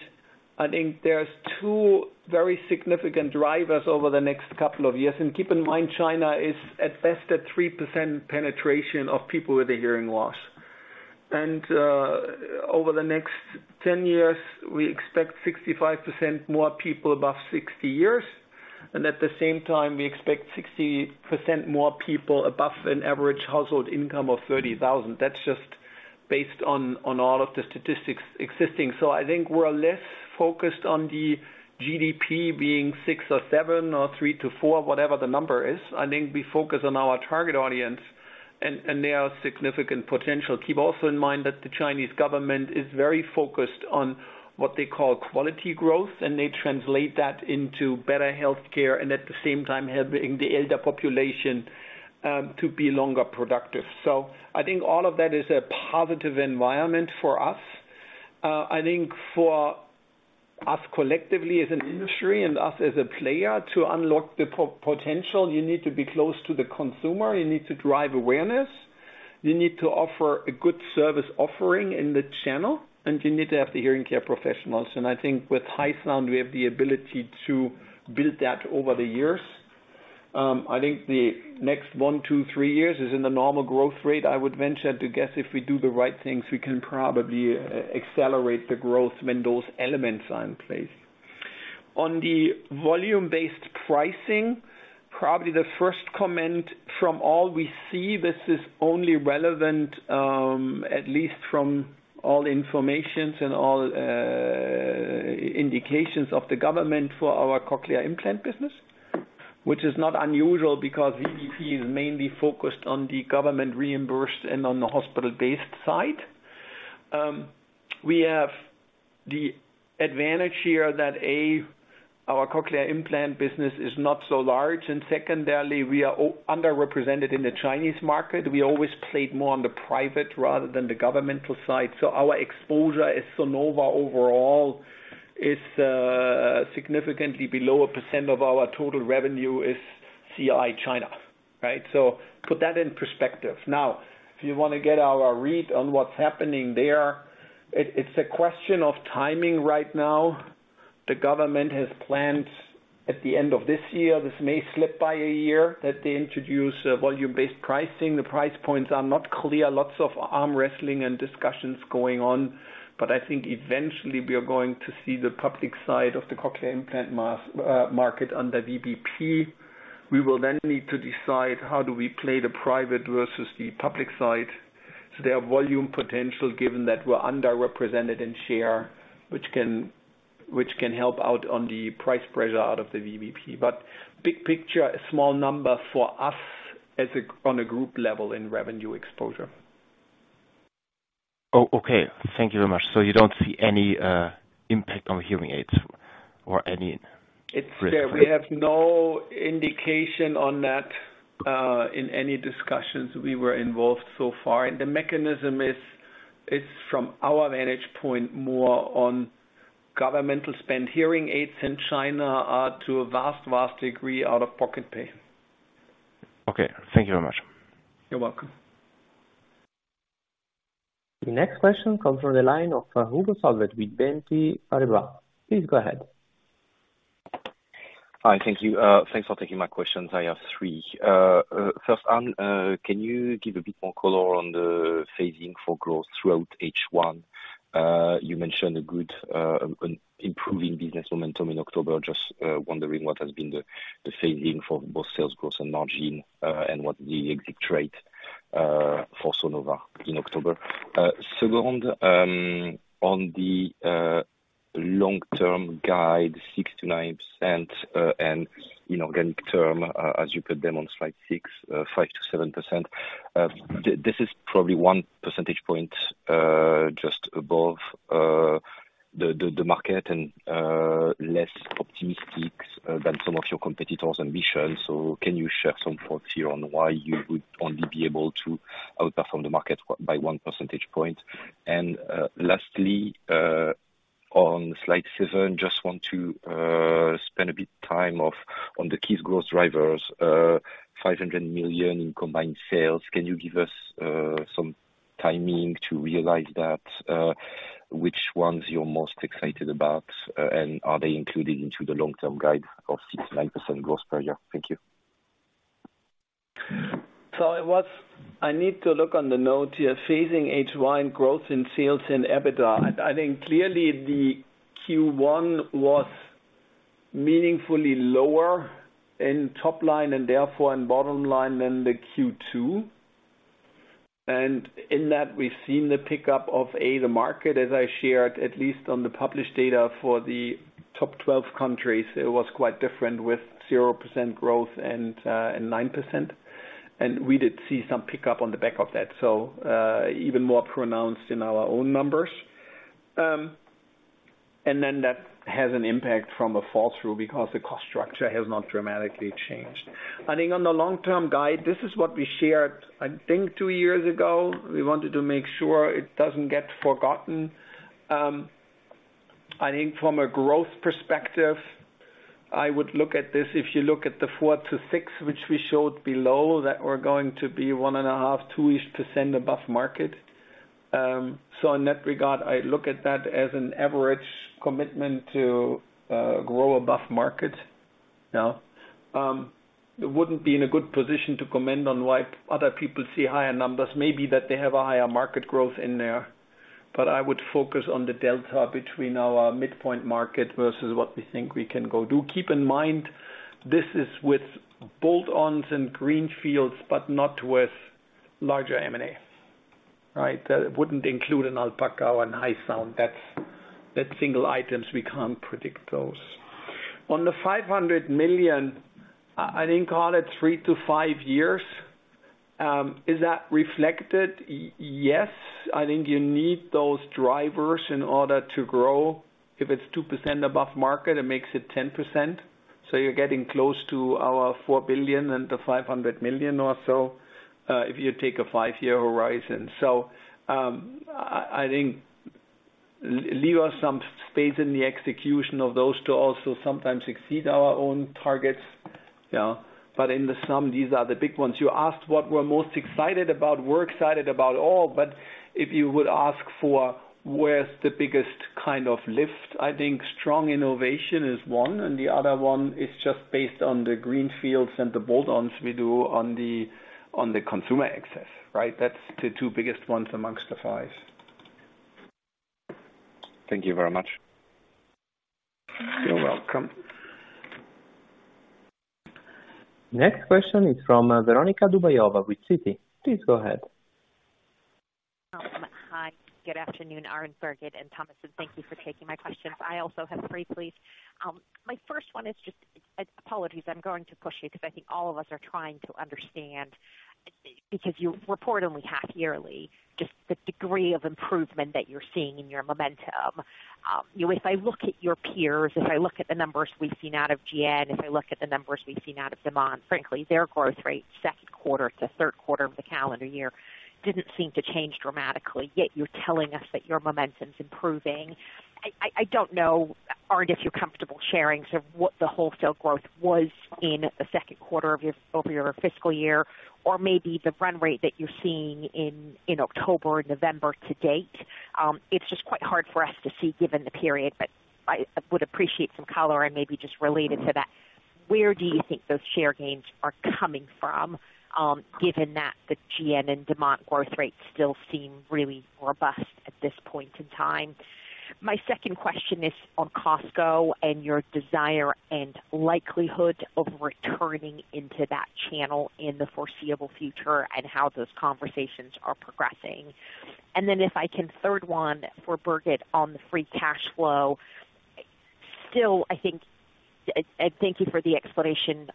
I think there's two very significant drivers over the next couple of years. Keep in mind, China is at best at 3% penetration of people with a hearing loss. Over the next 10 years, we expect 65% more people above 60 years, and at the same time, we expect 60% more people above an average household income of 30,000. That's just based on all of the statistics existing. So I think we're less focused on the GDP being 6% or 7% or 3%-4%, whatever the number is. I think we focus on our target audience and their significant potential. Keep also in mind that the Chinese government is very focused on what they call quality growth, and they translate that into better healthcare, and at the same time, helping the elder population to be longer productive. So I think all of that is a positive environment for us. I think for us collectively as an industry and us as a player, to unlock the potential, you need to be close to the consumer, you need to drive awareness, you need to offer a good service offering in the channel, and you need to have the hearing care professionals. I think with HYSOUND, we have the ability to build that over the years. I think the next one, two, three years is in the normal growth rate. I would venture to guess if we do the right things, we can probably accelerate the growth when those elements are in place. On the volume-based pricing, probably the first comment from all we see, this is only relevant, at least from all information and all indications of the government for our cochlear implant business, which is not unusual because VVP is mainly focused on the government reimbursed and on the hospital-based side. We have the advantage here that, A, our cochlear implant business is not so large, and secondarily, we are underrepresented in the Chinese market. We always played more on the private rather than the governmental side. So our exposure is Sonova overall, is significantly below 1% of our total revenue is CI China, right? So put that in perspective. Now, if you wanna get our read on what's happening there, it's a question of timing right now. The government has planned at the end of this year, this may slip by a year, that they introduce volume-based pricing. The price points are not clear. Lots of arm wrestling and discussions going on, but I think eventually we are going to see the public side of the cochlear implant market under VVP. We will then need to decide how do we play the private versus the public side. So there are volume potential, given that we're underrepresented in share, which can help out on the price pressure out of the VVP. But big picture, a small number for us as a on a group level in revenue exposure. Oh, okay. Thank you very much. So you don't see any impact on hearing aids or any risk there? It's there. We have no indication on that, in any discussions we were involved so far. And the mechanism is from our vantage point, more on governmental spend. Hearing aids in China are to a vast, vast degree out-of-pocket pay. Okay, thank you very much. You're welcome. The next question comes from the line of Hugo Solvet with BNP Paribas. Please go ahead. Hi, thank you. Thanks for taking my questions. I have three. First, Arnd, can you give a bit more color on the phasing for growth throughout H1? You mentioned a good, improving business momentum in October. Just, wondering what has been the phasing for both sales growth and margin, and what the exit rate for Sonova in October. Second, on the long-term guide, 6%-9%, and in organic term, as you put them on slide six, 5%-7%, this is probably one percentage point, just above the market and less optimistic than some of your competitors' ambitions. So can you share some thoughts here on why you would only be able to outperform the market by one percentage point? Lastly, on slide seven, just want to spend a bit of time on the key growth drivers, 500 million in combined sales. Can you give us some timing to realize that, which ones you're most excited about, and are they included into the long-term guide of 6%-9% growth per year? Thank you. So it was. I need to look on the note here, phasing H1 growth in sales and EBITDA. I think clearly the Q1 was meaningfully lower in top line and therefore in bottom line than the Q2. And in that, we've seen the pickup of, A, the market, as I shared, at least on the published data for the top 12 countries, it was quite different with 0% growth and 9%. And we did see some pickup on the back of that, so, even more pronounced in our own numbers. And then that has an impact from a fall through because the cost structure has not dramatically changed. I think on the long-term guide, this is what we shared, I think two years ago. We wanted to make sure it doesn't get forgotten. I think from a growth perspective, I would look at this, if you look at the four to six, which we showed below, that we're going to be 1.5-2-ish% above market. So in that regard, I look at that as an average commitment to grow above market now. It wouldn't be in a good position to comment on why other people see higher numbers. Maybe that they have a higher market growth in there, but I would focus on the delta between our midpoint market versus what we think we can go do. Keep in mind, this is with bolt-on and greenfield, but not with larger M&A, right? That wouldn't include an Alpaca or a HYSOUND. That's single items, we can't predict those. On the 500 million, I think call it three to five years. Is that reflected? Yes, I think you need those drivers in order to grow. If it's 2% above market, it makes it 10%.... So you're getting close to our 4 billion and the 500 million or so, if you take a five-year horizon. So, I think leave us some space in the execution of those to also sometimes exceed our own targets, yeah. But in the sum, these are the big ones. You asked what we're most excited about. We're excited about all, but if you would ask for where's the biggest kind of lift, I think strong innovation is one, and the other one is just based on the greenfield and the bolt-on we do on the, on the consumer access, right? That's the two biggest ones amongst the five. Thank you very much. You're welcome. Next question is from Veronika Dubajova with Citi. Please go ahead. Hi. Good afternoon, Arnd, Birgit, and Thomas, and thank you for taking my questions. I also have three, please. My first one is just, apologies, I'm going to push you because I think all of us are trying to understand, because you report only half yearly, just the degree of improvement that you're seeing in your momentum. You know, if I look at your peers, if I look at the numbers we've seen out of GN, if I look at the numbers we've seen out of Demant, frankly, their growth rate, second quarter to third quarter of the calendar year, didn't seem to change dramatically, yet you're telling us that your momentum's improving. I don't know, Arnd, if you're comfortable sharing sort of what the wholesale growth was in the second quarter of your over your fiscal year, or maybe the run rate that you're seeing in October, November to date. It's just quite hard for us to see given the period, but I would appreciate some color and maybe just related to that, where do you think those share gains are coming from, given that the GN and Demant growth rates still seem really robust at this point in time? My second question is on Costco and your desire and likelihood of returning into that channel in the foreseeable future and how those conversations are progressing. And then if I can, third one for Birgit on the free cash flow. Still, I think, thank you for the explanation,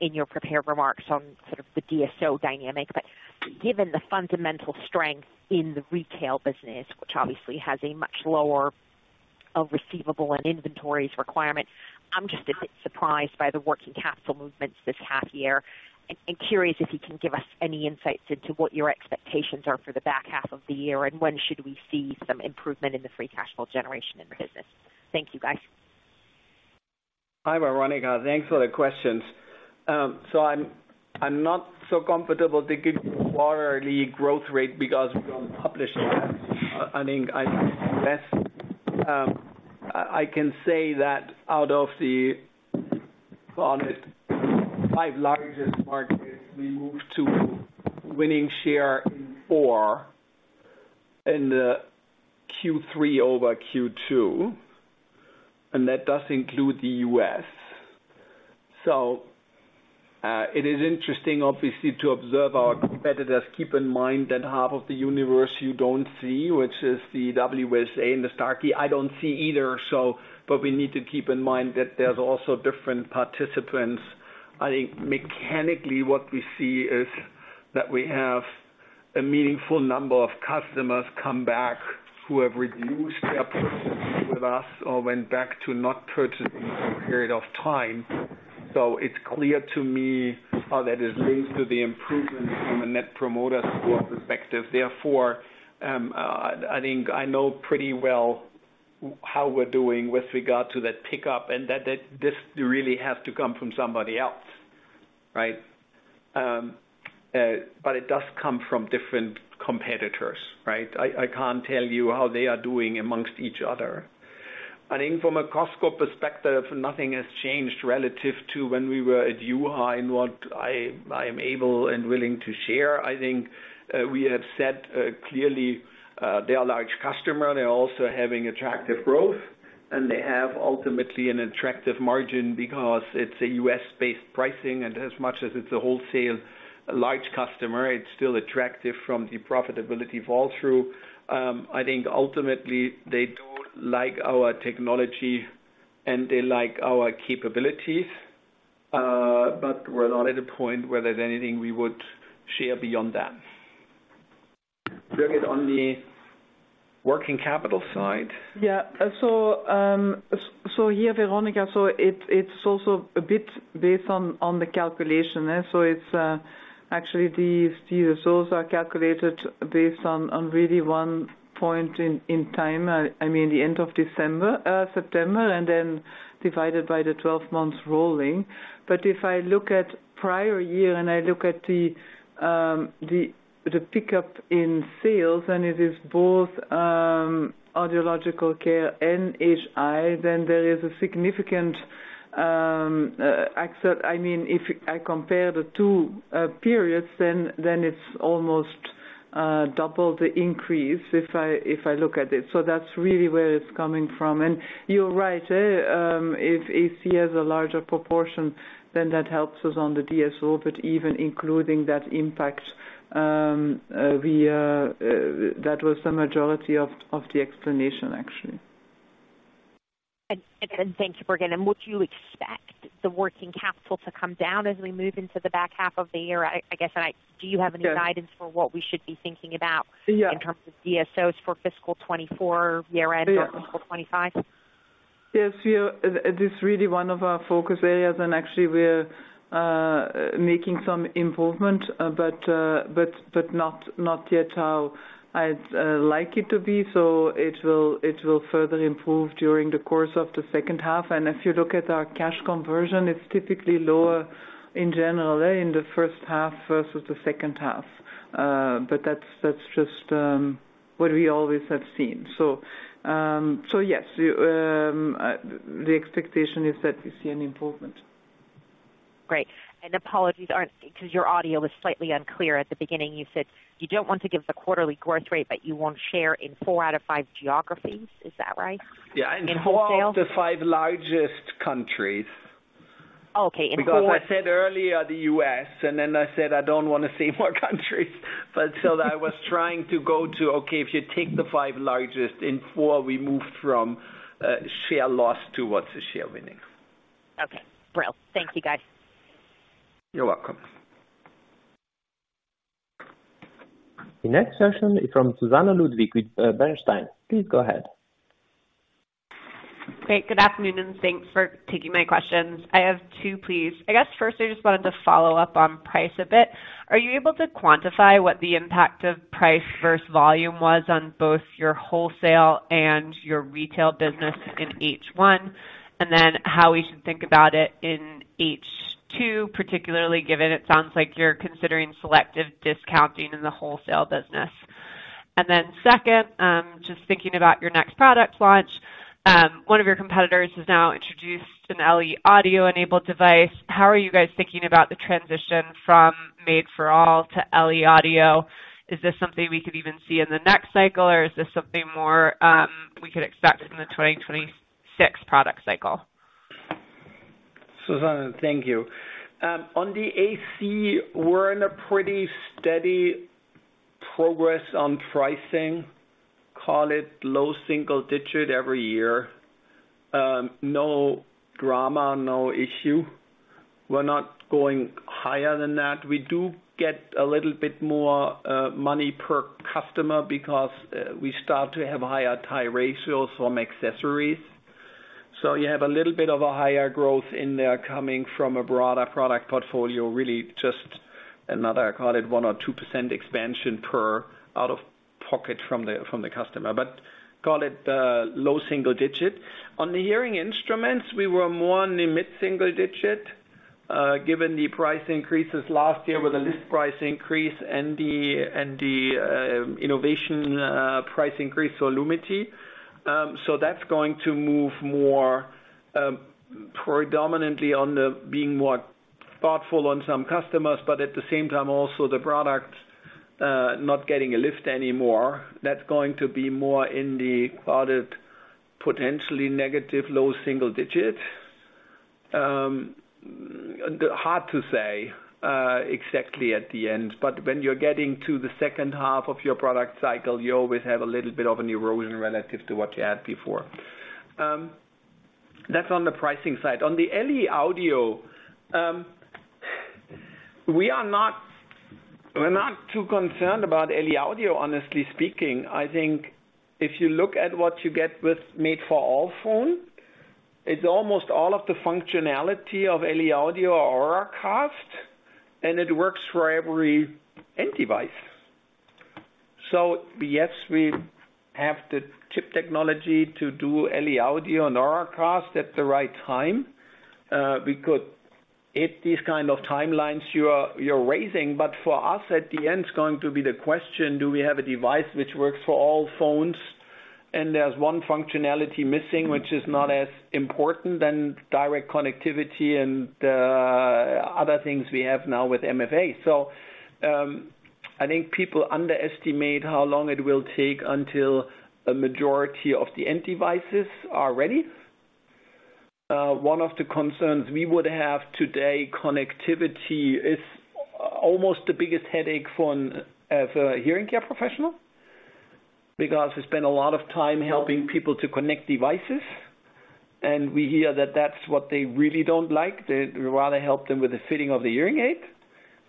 in your prepared remarks on sort of the DSO dynamic. But given the fundamental strength in the retail business, which obviously has a much lower, receivable and inventories requirement, I'm just a bit surprised by the working capital movements this half year. And curious if you can give us any insights into what your expectations are for the back half of the year, and when should we see some improvement in the free cash flow generation in the business? Thank you, guys. Hi, Veronika. Thanks for the questions. I'm not so comfortable to give you quarterly growth rate because we don't publish that. I think that I can say that out of the, call it, five largest .markets, we moved to winning share in four in Q3 over Q2, and that does include the U.S. It is interesting, obviously, to observe our competitors. Keep in mind that half of the universe you don't see, which is the WSA and the Starkey, I don't see either, so we need to keep in mind that there's also different participants. I think mechanically, what we see is that we have a meaningful number of customers come back who have reduced their purchasing with us or went back to not purchasing for a period of time. So it's clear to me how that is linked to the improvements from a net promoter score perspective. Therefore, I think I know pretty well how we're doing with regard to that pickup and that, that this really has to come from somebody else, right? But it does come from different competitors, right? I can't tell you how they are doing amongst each other. I think from a Costco perspective, nothing has changed relative to when we were at UI and what I am able and willing to share. I think, we have said, clearly, they are a large customer, they are also having attractive growth, and they have ultimately an attractive margin because it's a U.S-based pricing, and as much as it's a wholesale large customer, it's still attractive from the profitability fall through. I think ultimately they do like our technology and they like our capabilities, but we're not at a point where there's anything we would share beyond that. Birgit, on the working capital side? Yeah. So yeah, Veronica, it's also a bit based on the calculation. So it's actually the results are calculated based on really one point in time, I mean, the end of December, September, and then divided by the 12 months rolling. But if I look at prior year and I look at the pickup in sales, and it is both audiological care and HI, then there is a significant except, I mean, if I compare the two periods, then it's almost double the increase if I look at it. So that's really where it's coming from. And you're right, if he has a larger proportion, then that helps us on the DSO, but even including that impact, that was the majority of the explanation, actually. And thank you, Birgit. Would you expect the working capital to come down as we move into the back half of the year? I guess—do you have any guidance for what we should be thinking about- Yeah. in terms of DSOs for fiscal 2024 year end or fiscal 2025?... Yes, we are, it is really one of our focus areas, and actually we're making some improvement, but not yet how I'd like it to be. So it will further improve during the course of the second half. And if you look at our cash conversion, it's typically lower in general, in the first half versus the second half. But that's just what we always have seen. So yes, the expectation is that we see an improvement. Great, and apologies, Arnd, because your audio was slightly unclear at the beginning. You said you don't want to give the quarterly growth rate, but you won't share in four out of five geographies. Is that right? Yeah. In wholesale? In four out of the five largest countries. Okay, in four- Because I said earlier, the U.S., and then I said, I don't want to say more countries, but so I was trying to go to, okay, if you take the five largest, in four, we move from share loss towards the share winning. Okay, brill. Thank you, guys. You're welcome. The next question is from Susannah Ludwig with Bernstein. Please go ahead. Great, good afternoon, and thanks for taking my questions. I have two, please. I guess first, I just wanted to follow up on price a bit. Are you able to quantify what the impact of price versus volume was on both your wholesale and your retail business in H1? And then how we should think about it in H2, particularly given it sounds like you're considering selective discounting in the wholesale business. And then second, just thinking about your next product launch, one of your competitors has now introduced an LE Audio-enabled device. How are you guys thinking about the transition from Made for All to LE Audio? Is this something we could even see in the next cycle, or is this something more, we could expect in the 2026 product cycle? Susannah, thank you. On the AC, we're in pretty steady progress on pricing. Call it low single digit every year. No drama, no issue. We're not going higher than that. We do get a little bit more money per customer because we start to have higher tie ratios from accessories. So you have a little bit of a higher growth in there coming from a broader product portfolio. Really just another, call it 1% or 2% expansion per out of pocket from the customer, but call it low single digit. On the hearing instruments, we were more in the mid-single digit, given the price increases last year with the list price increase and the innovation price increase for Lumity. So that's going to move more predominantly on the being more thoughtful on some customers, but at the same time, also the product not getting a lift anymore. That's going to be more in the product, potentially negative, low single digit. Hard to say exactly at the end, but when you're getting to the second half of your product cycle, you always have a little bit of an erosion relative to what you had before. That's on the pricing side. On the LE Audio, we are not, we're not too concerned about LE Audio, honestly speaking. I think if you look at what you get with Made for All phone, it's almost all of the functionality of LE Audio or Auracast, and it works for every end device. So yes, we have the chip technology to do LE Audio on Auracast at the right time, because these kind of timelines you're raising, but for us at the end, it's going to be the question, do we have a device which works for all phones and there's one functionality missing, which is not as important than direct connectivity and other things we have now with MFA? So, I think people underestimate how long it will take until a majority of the end devices are ready. One of the concerns we would have today, connectivity is almost the biggest headache for a hearing care professional, because we spend a lot of time helping people to connect devices, and we hear that that's what they really don't like. They'd rather help them with the fitting of the hearing aid,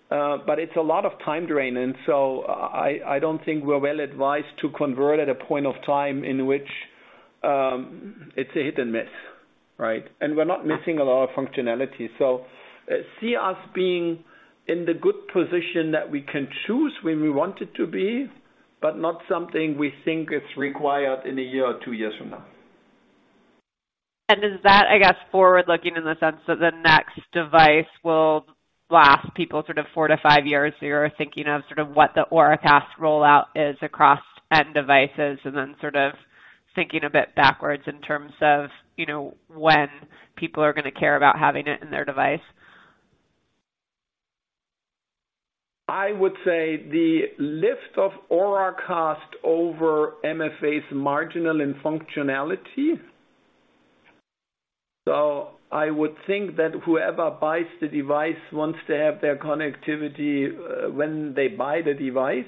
but it's a lot of time drain. So I don't think we're well advised to convert at a point of time in which it's a hit and miss, right? We're not missing a lot of functionality. So see us being in the good position that we can choose when we want it to be, but not something we think is required in a year or two years from now. Is that, I guess, forward-looking in the sense that the next device will last people sort of four to five years, so you're thinking of sort of what the Auracast rollout is across end devices, and then sort of thinking a bit backwards in terms of, you know, when people are going to care about having it in their device? I would say the lift of Auracast over MFA is marginal in functionality. So I would think that whoever buys the device wants to have their connectivity, when they buy the device,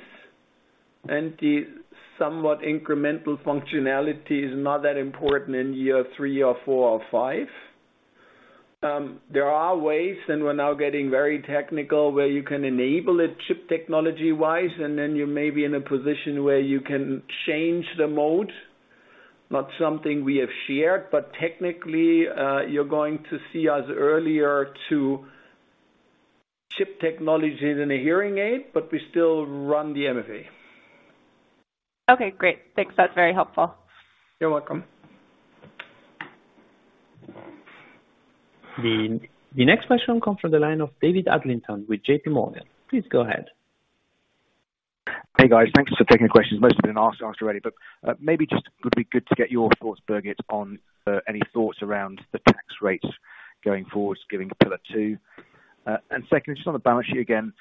and the somewhat incremental functionality is not that important in year three or four or five.... There are ways, and we're now getting very technical, where you can enable a chip technology-wise, and then you may be in a position where you can change the mode. Not something we have shared, but technically, you're going to see us earlier to chip technologies in a hearing aid, but we still run the MFA. Okay, great. Thanks. That's very helpful. You're welcome. The next question comes from the line of David Adlington with JP Morgan. Please go ahead. Hey, guys. Thank you for taking the questions. Most have been asked, answered already, but, maybe just would be good to get your thoughts, Birgit, on, any thoughts around the tax rates going forward, giving Pillar Two. And second, just on the balance sheet again,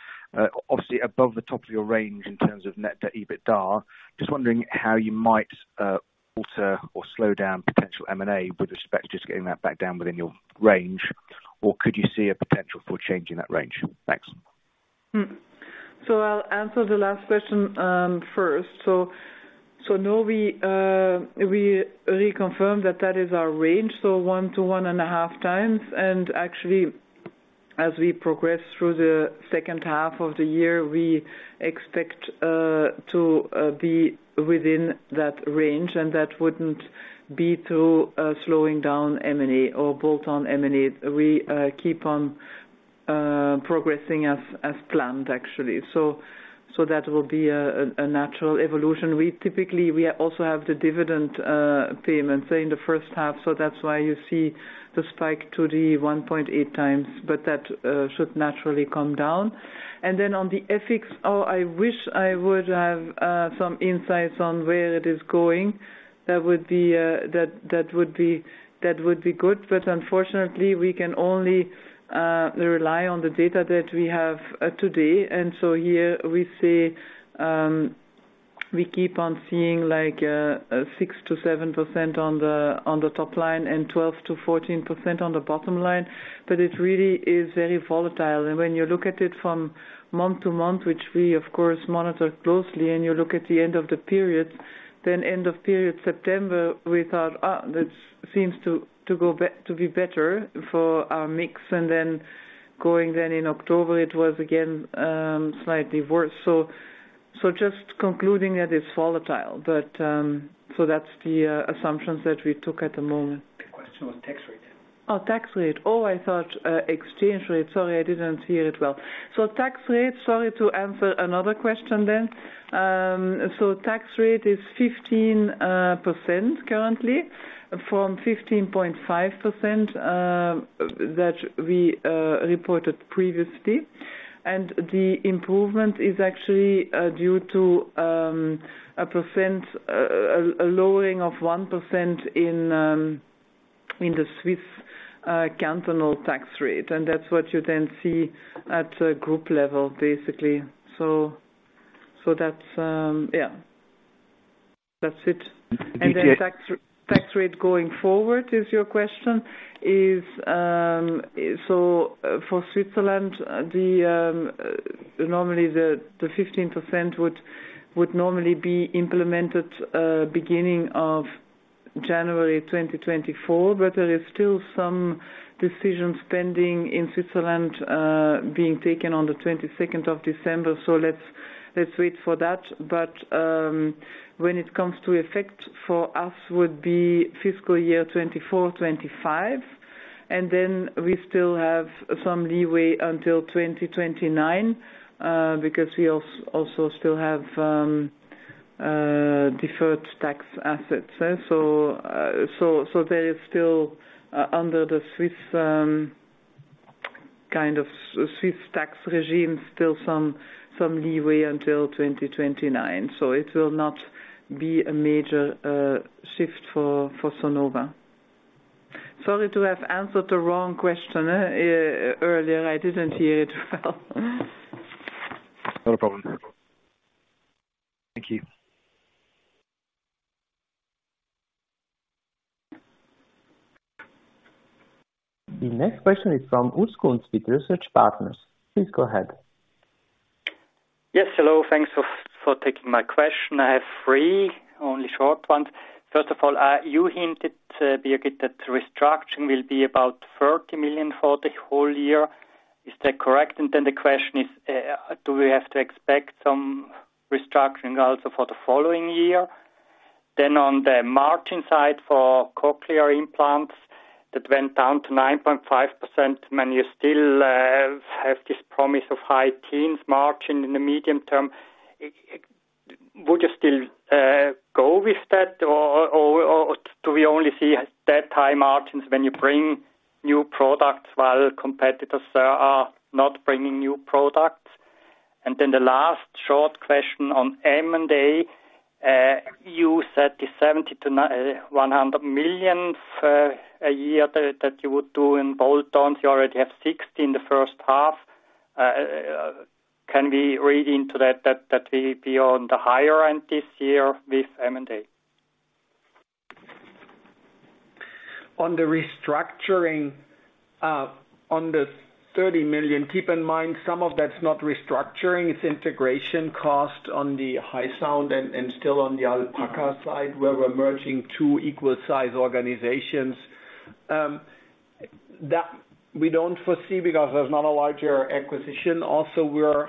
obviously above the top of your range in terms of net debt EBITDA. Just wondering how you might, alter or slow down potential M&A with respect to just getting that back down within your range? Or could you see a potential for changing that range? Thanks. I'll answer the last question first. We reconfirm that that is our range, 1-1.5x. Actually, as we progress through the second half of the year, we expect to be within that range, and that wouldn't be through slowing down M&A or bolt-on M&A. We keep on progressing as planned, actually. That will be a natural evolution. Typically, we also have the dividend payments in the first half, so that's why you see the spike to 1.8x, but that should naturally come down. On the FX, I wish I would have some insights on where it is going. That would be, that would be good, but unfortunately, we can only rely on the data that we have today. And so here we see, we keep on seeing, like, six to seven percent on the top line and 12% to 14% on the bottom line, but it really is very volatile. And when you look at it from month-to-month, which we of course monitor closely, and you look at the end of the period, then end of period, September, we thought, "Ah, this seems to be better for our mix." And then going in October, it was again, slightly worse. So just concluding, it is volatile, but, so that's the assumptions that we took at the moment. The question was tax rate. Oh, tax rate. Oh, I thought, exchange rate. Sorry, I didn't hear it well. So tax rate, sorry to answer another question then. So tax rate is 15% currently, from 15.5%, that we reported previously. And the improvement is actually due to a percent, a lowering of 1% in the Swiss cantonal tax rate, and that's what you then see at the group level, basically. So, so that's, yeah. That's it. Okay. Then tax, tax rate going forward, is your question? Is so for Switzerland, the normally the the 15% would would normally be implemented beginning of January 2024, but there is still some decisions pending in Switzerland being taken on the 22nd of December, so let's wait for that. But when it comes to effect for us would be fiscal year 2024, 2025, and then we still have some leeway until 2029 because we also still have deferred tax assets. So so there is still under the Swiss kind of Swiss tax regime, still some leeway until 2029. So it will not be a major shift for Sonova. Sorry to have answered the wrong question earlier. I didn't hear it well. Not a problem. Thank you. The next question is from Urs Kunz with Research Partners. Please go ahead. Yes, hello. Thanks for taking my question. I have three, only short ones. First of all, you hinted, Birgit, that the restructuring will be about 30 million for the whole year. Is that correct? And then the question is, do we have to expect some restructuring also for the following year? Then on the margin side, for cochlear implants, that went down to 9.5%, and you still have this promise of high-teens margin in the medium term. Would you still go with that, or do we only see that high margins when you bring new products while competitors are not bringing new products? And then the last short question on M&A, you said the 70 million-100 million a year that you would do in bolt-on. You already have 60 in the first half. Can we read into that that we be on the higher end this year with M&A? On the restructuring, ...On the 30 million, keep in mind, some of that's not restructuring, it's integration cost on the HYSOUND and still on the Alpaca side, where we're merging two equal size organizations. That we don't foresee, because there's not a larger acquisition. Also, we're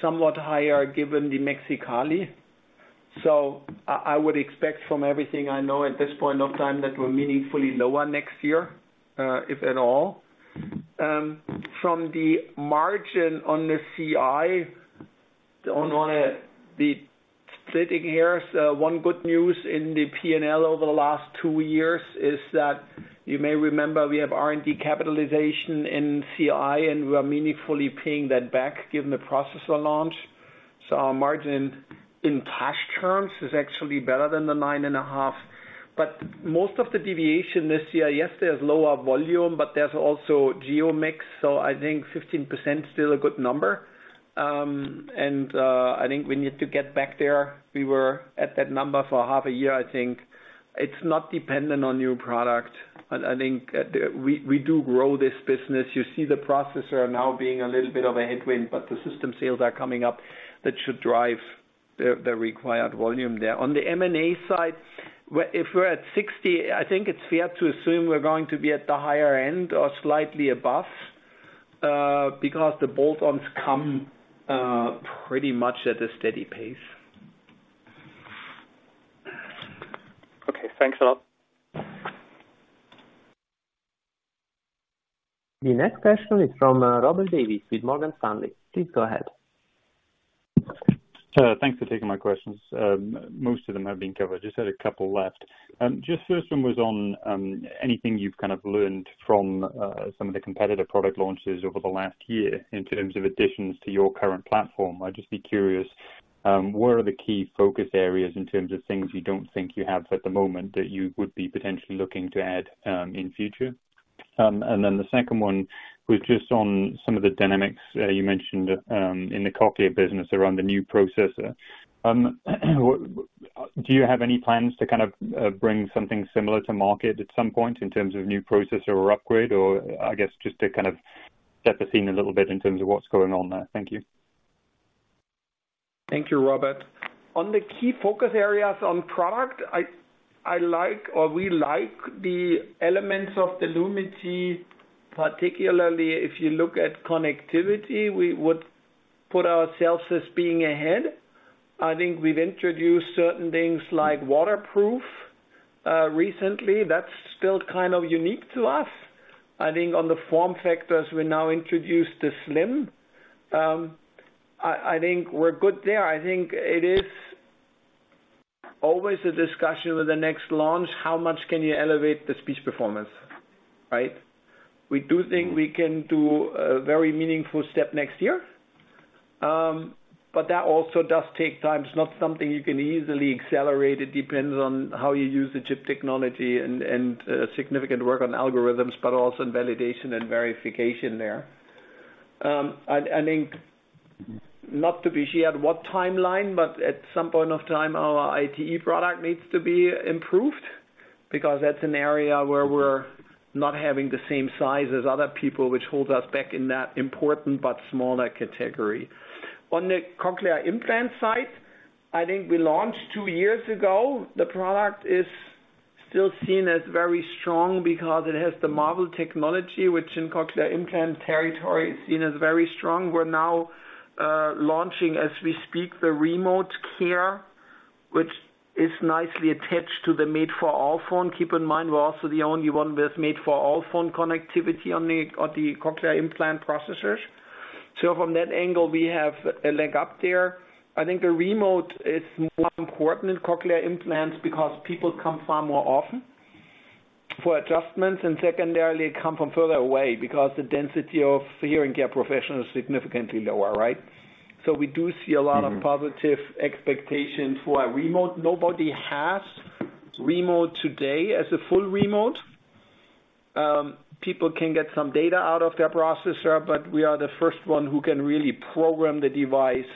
somewhat higher given the Mexicali. So I would expect from everything I know at this point of time, that we're meaningfully lower next year, if at all. From the margin on the CI sitting here, so one good news in the P&L over the last two years is that you may remember we have R&D capitalization in CI, and we are meaningfully paying that back given the processor launch. So our margin in cash terms is actually better than the 9.5%. But most of the deviation this year, yes, there's lower volume, but there's also geo mix, so I think 15% is still a good number. And I think we need to get back there. We were at that number for half a year, I think. It's not dependent on new product, but I think at the we do grow this business. You see the processor now being a little bit of a headwind, but the system sales are coming up. That should drive the required volume there. On the M&A side, we're if we're at 60, I think it's fair to assume we're going to be at the higher end or slightly above, because the bolt-on come pretty much at a steady pace. Okay, thanks a lot. The next question is from Robert Davies with Morgan Stanley. Please go ahead. Thanks for taking my questions. Most of them have been covered. Just had a couple left. Just first one was on anything you've kind of learned from some of the competitive product launches over the last year in terms of additions to your current platform? I'd just be curious what are the key focus areas in terms of things you don't think you have at the moment that you would be potentially looking to add in future? And then the second one was just on some of the dynamics you mentioned in the cochlear business around the new processor. Do you have any plans to kind of, bring something similar to market at some point in terms of new processor or upgrade, or I guess just to kind of set the scene a little bit in terms of what's going on there? Thank you. Thank you, Robert. On the key focus areas on product, I like or we like the elements of the Lumity, particularly if you look at connectivity, we would put ourselves as being ahead. I think we've introduced certain things like waterproof recently. That's still kind of unique to us. I think on the form factors, we now introduce the slim. I think we're good there. I think it is always a discussion with the next launch, how much can you elevate the speech performance, right? We do think we can do a very meaningful step next year, but that also does take time. It's not something you can easily accelerate. It depends on how you use the chip technology and significant work on algorithms, but also in validation and verification there. I think, not to be sure at what timeline, but at some point of time, our ITE product needs to be improved, because that's an area where we're not having the same size as other people, which holds us back in that important but smaller category. On the cochlear implant side, I think we launched two years ago. The product is still seen as very strong because it has the Marvel technology, which in cochlear implant territory, is seen as very strong. We're now launching, as we speak, the remote care, which is nicely attached to the Made for All phone. Keep in mind, we're also the only one with Made for All phone connectivity on the, on the cochlear implant processors. So from that angle, we have a leg up there. I think the remote is more important in cochlear implants because people come far more often for adjustments, and secondarily, come from further away because the density of hearing care professionals is significantly lower, right? So we do see a lot of positive expectation for a remote. Nobody has remote today as a full remote. People can get some data out of their processor, but we are the first one who can really program the device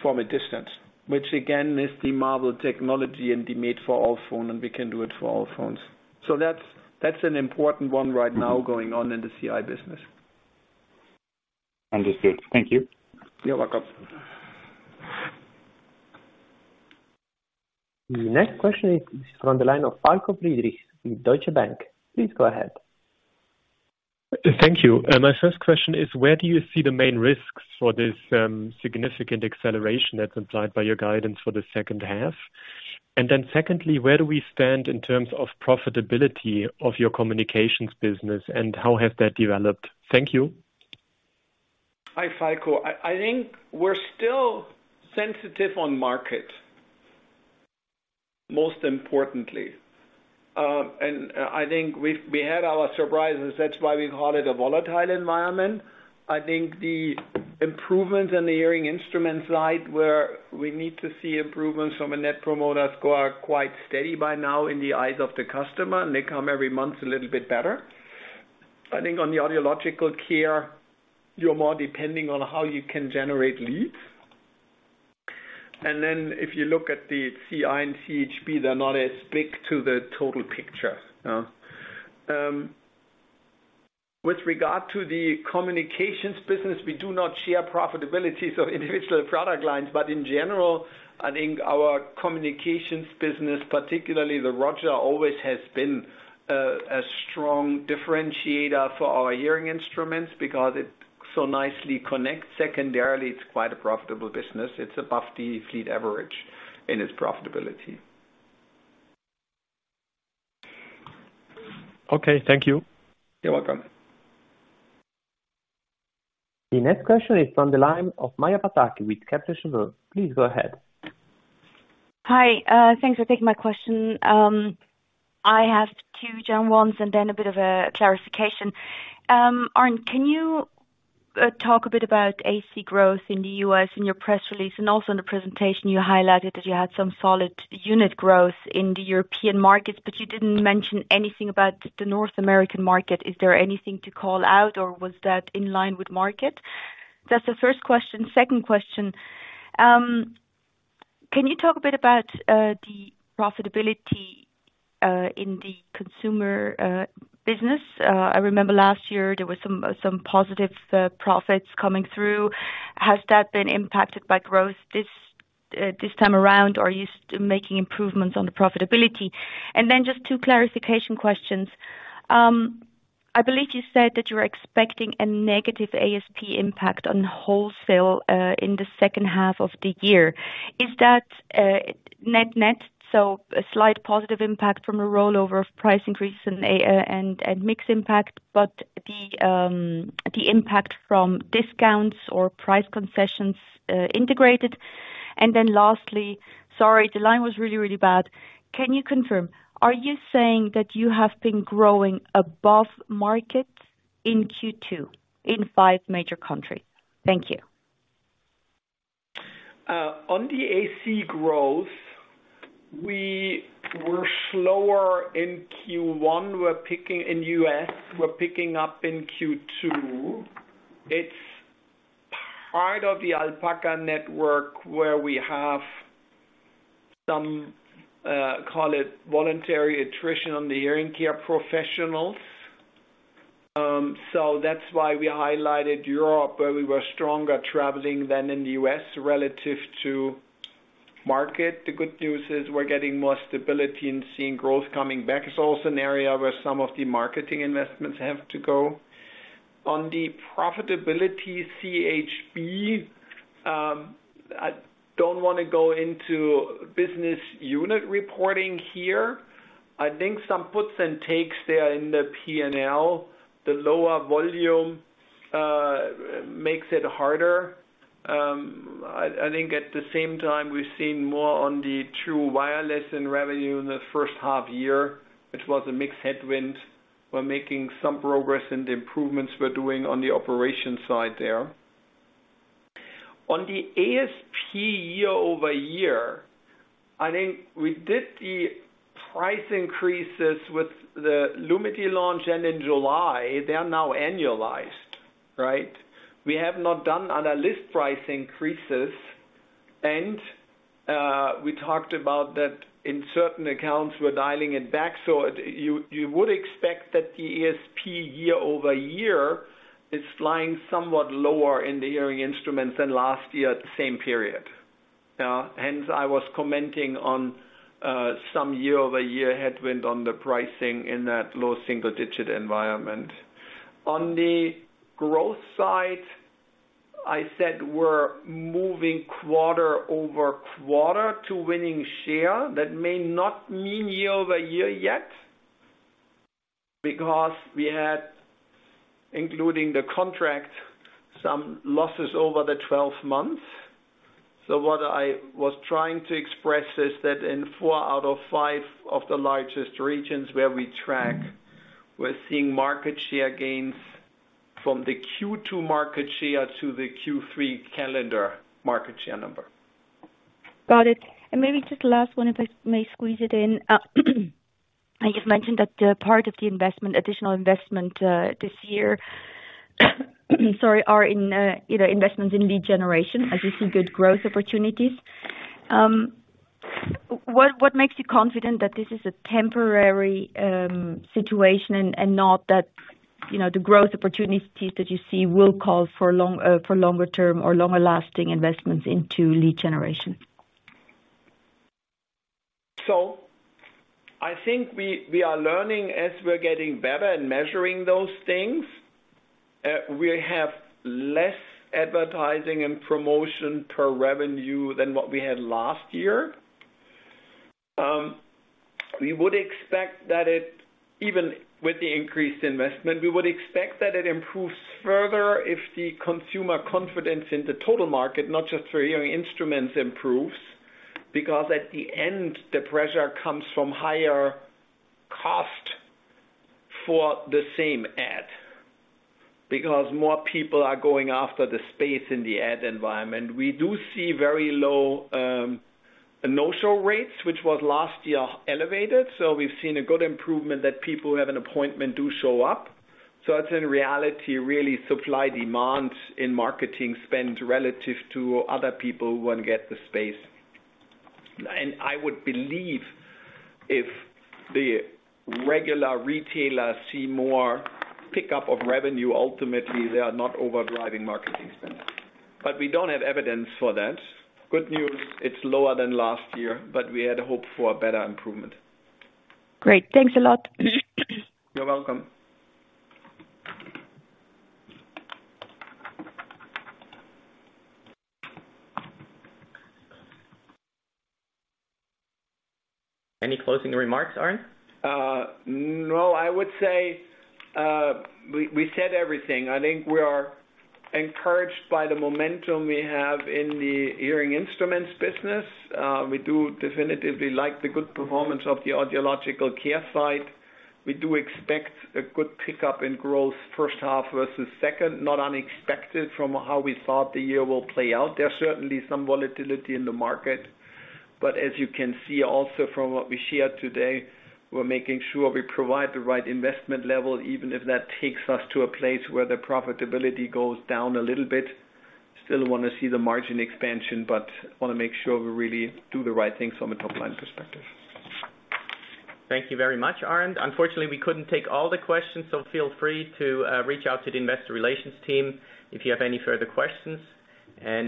from a distance, which again, is the Marvel technology and the Made for All phone, and we can do it for all phones. So that's, that's an important one right now going on in the CI business. Understood. Thank you. You're welcome. The next question is from the line of Falko Friedrichs with Deutsche Bank. Please go ahead. Thank you. My first question is, where do you see the main risks for this significant acceleration that's implied by your guidance for the second half? And then secondly, where do we stand in terms of profitability of your communications business, and how has that developed? Thank you. Hi, Falko. I think we're still sensitive on market, most importantly. I think we had our surprises. That's why we call it a volatile environment. I think the improvement in the hearing instrument side, where we need to see improvements from a net promoter score, are quite steady by now in the eyes of the customer, and they come every month a little bit better. I think on the audiological care, you're more depending on how you can generate leads. And then if you look at the CI and CHB, they're not as big to the total picture. With regard to the communications business, we do not share profitabilities of individual product lines, but in general, I think our communications business, particularly the Roger, always has been a strong differentiator for our hearing instruments because it so nicely connects. Secondarily, it's quite a profitable business. It's above the fleet average in its profitability. Okay, thank you. You're welcome. The next question is from the line of Maja Pataki with Kepler Cheuvreux. Please go ahead. Hi, thanks for taking my question. I have two general ones and then a bit of a clarification. Arnd, can you talk a bit about AC growth in the US in your press release? And also in the presentation, you highlighted that you had some solid unit growth in the European markets, but you didn't mention anything about the North American market. Is there anything to call out, or was that in line with market? That's the first question. Second question, can you talk a bit about the profitability in the consumer business? I remember last year there were some positive profits coming through. Has that been impacted by growth this time around, or are you making improvements on the profitability? And then just two clarification questions. I believe you said that you were expecting a negative ASP impact on wholesale in the second half of the year. Is that net-net, so a slight positive impact from a rollover of price increase and a mix impact, but the impact from discounts or price concessions integrated? And then lastly, sorry, the line was really, really bad. Can you confirm, are you saying that you have been growing above market in Q2 in five major countries? Thank you. On the AC growth, we were slower in Q1. We're picking in U.S., we're picking up in Q2. It's part of the Alpaca network, where we have some, call it voluntary attrition on the hearing care professionals. So that's why we highlighted Europe, where we were stronger traveling than in the U.S. relative to market. The good news is we're getting more stability and seeing growth coming back. It's also an area where some of the marketing investments have to go. On the profitability CHB, I don't want to go into business unit reporting here. I think some puts and takes there in the P&L, the lower volume makes it harder. I think at the same time, we've seen more on the true wireless and revenue in the first half year, which was a mixed headwind. We're making some progress in the improvements we're doing on the operation side there. On the ASP year-over-year, I think we did the price increases with the Lumity launch and in July, they are now annualized, right? We have not done other list price increases, and we talked about that in certain accounts, we're dialing it back. So you, you would expect that the ASP year-over-year is flying somewhat lower in the hearing instruments than last year at the same period. Hence, I was commenting on some year-over-year headwind on the pricing in that low single digit environment. On the growth side, I said we're moving quarter-over-quarter to winning share. That may not mean year-over-year yet, because we had, including the contract, some losses over the 12 months. What I was trying to express is that in four out of five of the largest regions where we track, we're seeing market share gains from the Q2 market share to the Q3 calendar market share number. Got it. And maybe just last one, if I may squeeze it in. I just mentioned that part of the investment, additional investment, this year, sorry, are in either investments in lead generation as you see good growth opportunities. What, what makes you confident that this is a temporary situation and not that, you know, the growth opportunities that you see will call for long for longer term or longer lasting investments into lead generation? So I think we, we are learning as we're getting better and measuring those things, we have less advertising and promotion per revenue than what we had last year. We would expect that it, even with the increased investment, we would expect that it improves further if the consumer confidence in the total market, not just for hearing instruments, improves. Because at the end, the pressure comes from higher cost for the same ad, because more people are going after the space in the ad environment. We do see very low no-show rates, which was last year elevated, so we've seen a good improvement that people who have an appointment do show up. So it's in reality, really supply demand in marketing spend relative to other people who want to get the space. I would believe if the regular retailers see more pickup of revenue, ultimately, they are not overdriving marketing spend. We don't have evidence for that. Good news, it's lower than last year, but we had hoped for a better improvement. Great. Thanks a lot. You're welcome. Any closing remarks, Arnd? No, I would say, we, we said everything. I think we are encouraged by the momentum we have in the hearing instruments business. We do definitively like the good performance of the audiological care side. We do expect a good pickup in growth first half versus second, not unexpected from how we thought the year will play out. There's certainly some volatility in the market, but as you can see also from what we shared today, we're making sure we provide the right investment level, even if that takes us to a place where the profitability goes down a little bit. Still want to see the margin expansion, but want to make sure we really do the right things from a top-line perspective. Thank you very much, Arnd. Unfortunately, we couldn't take all the questions, so feel free to reach out to the investor relations team if you have any further questions.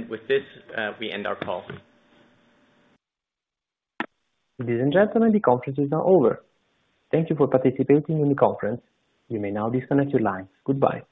With this, we end our call. Ladies and gentlemen, the conference is now over. Thank you for participating in the conference. You may now disconnect your lines. Goodbye.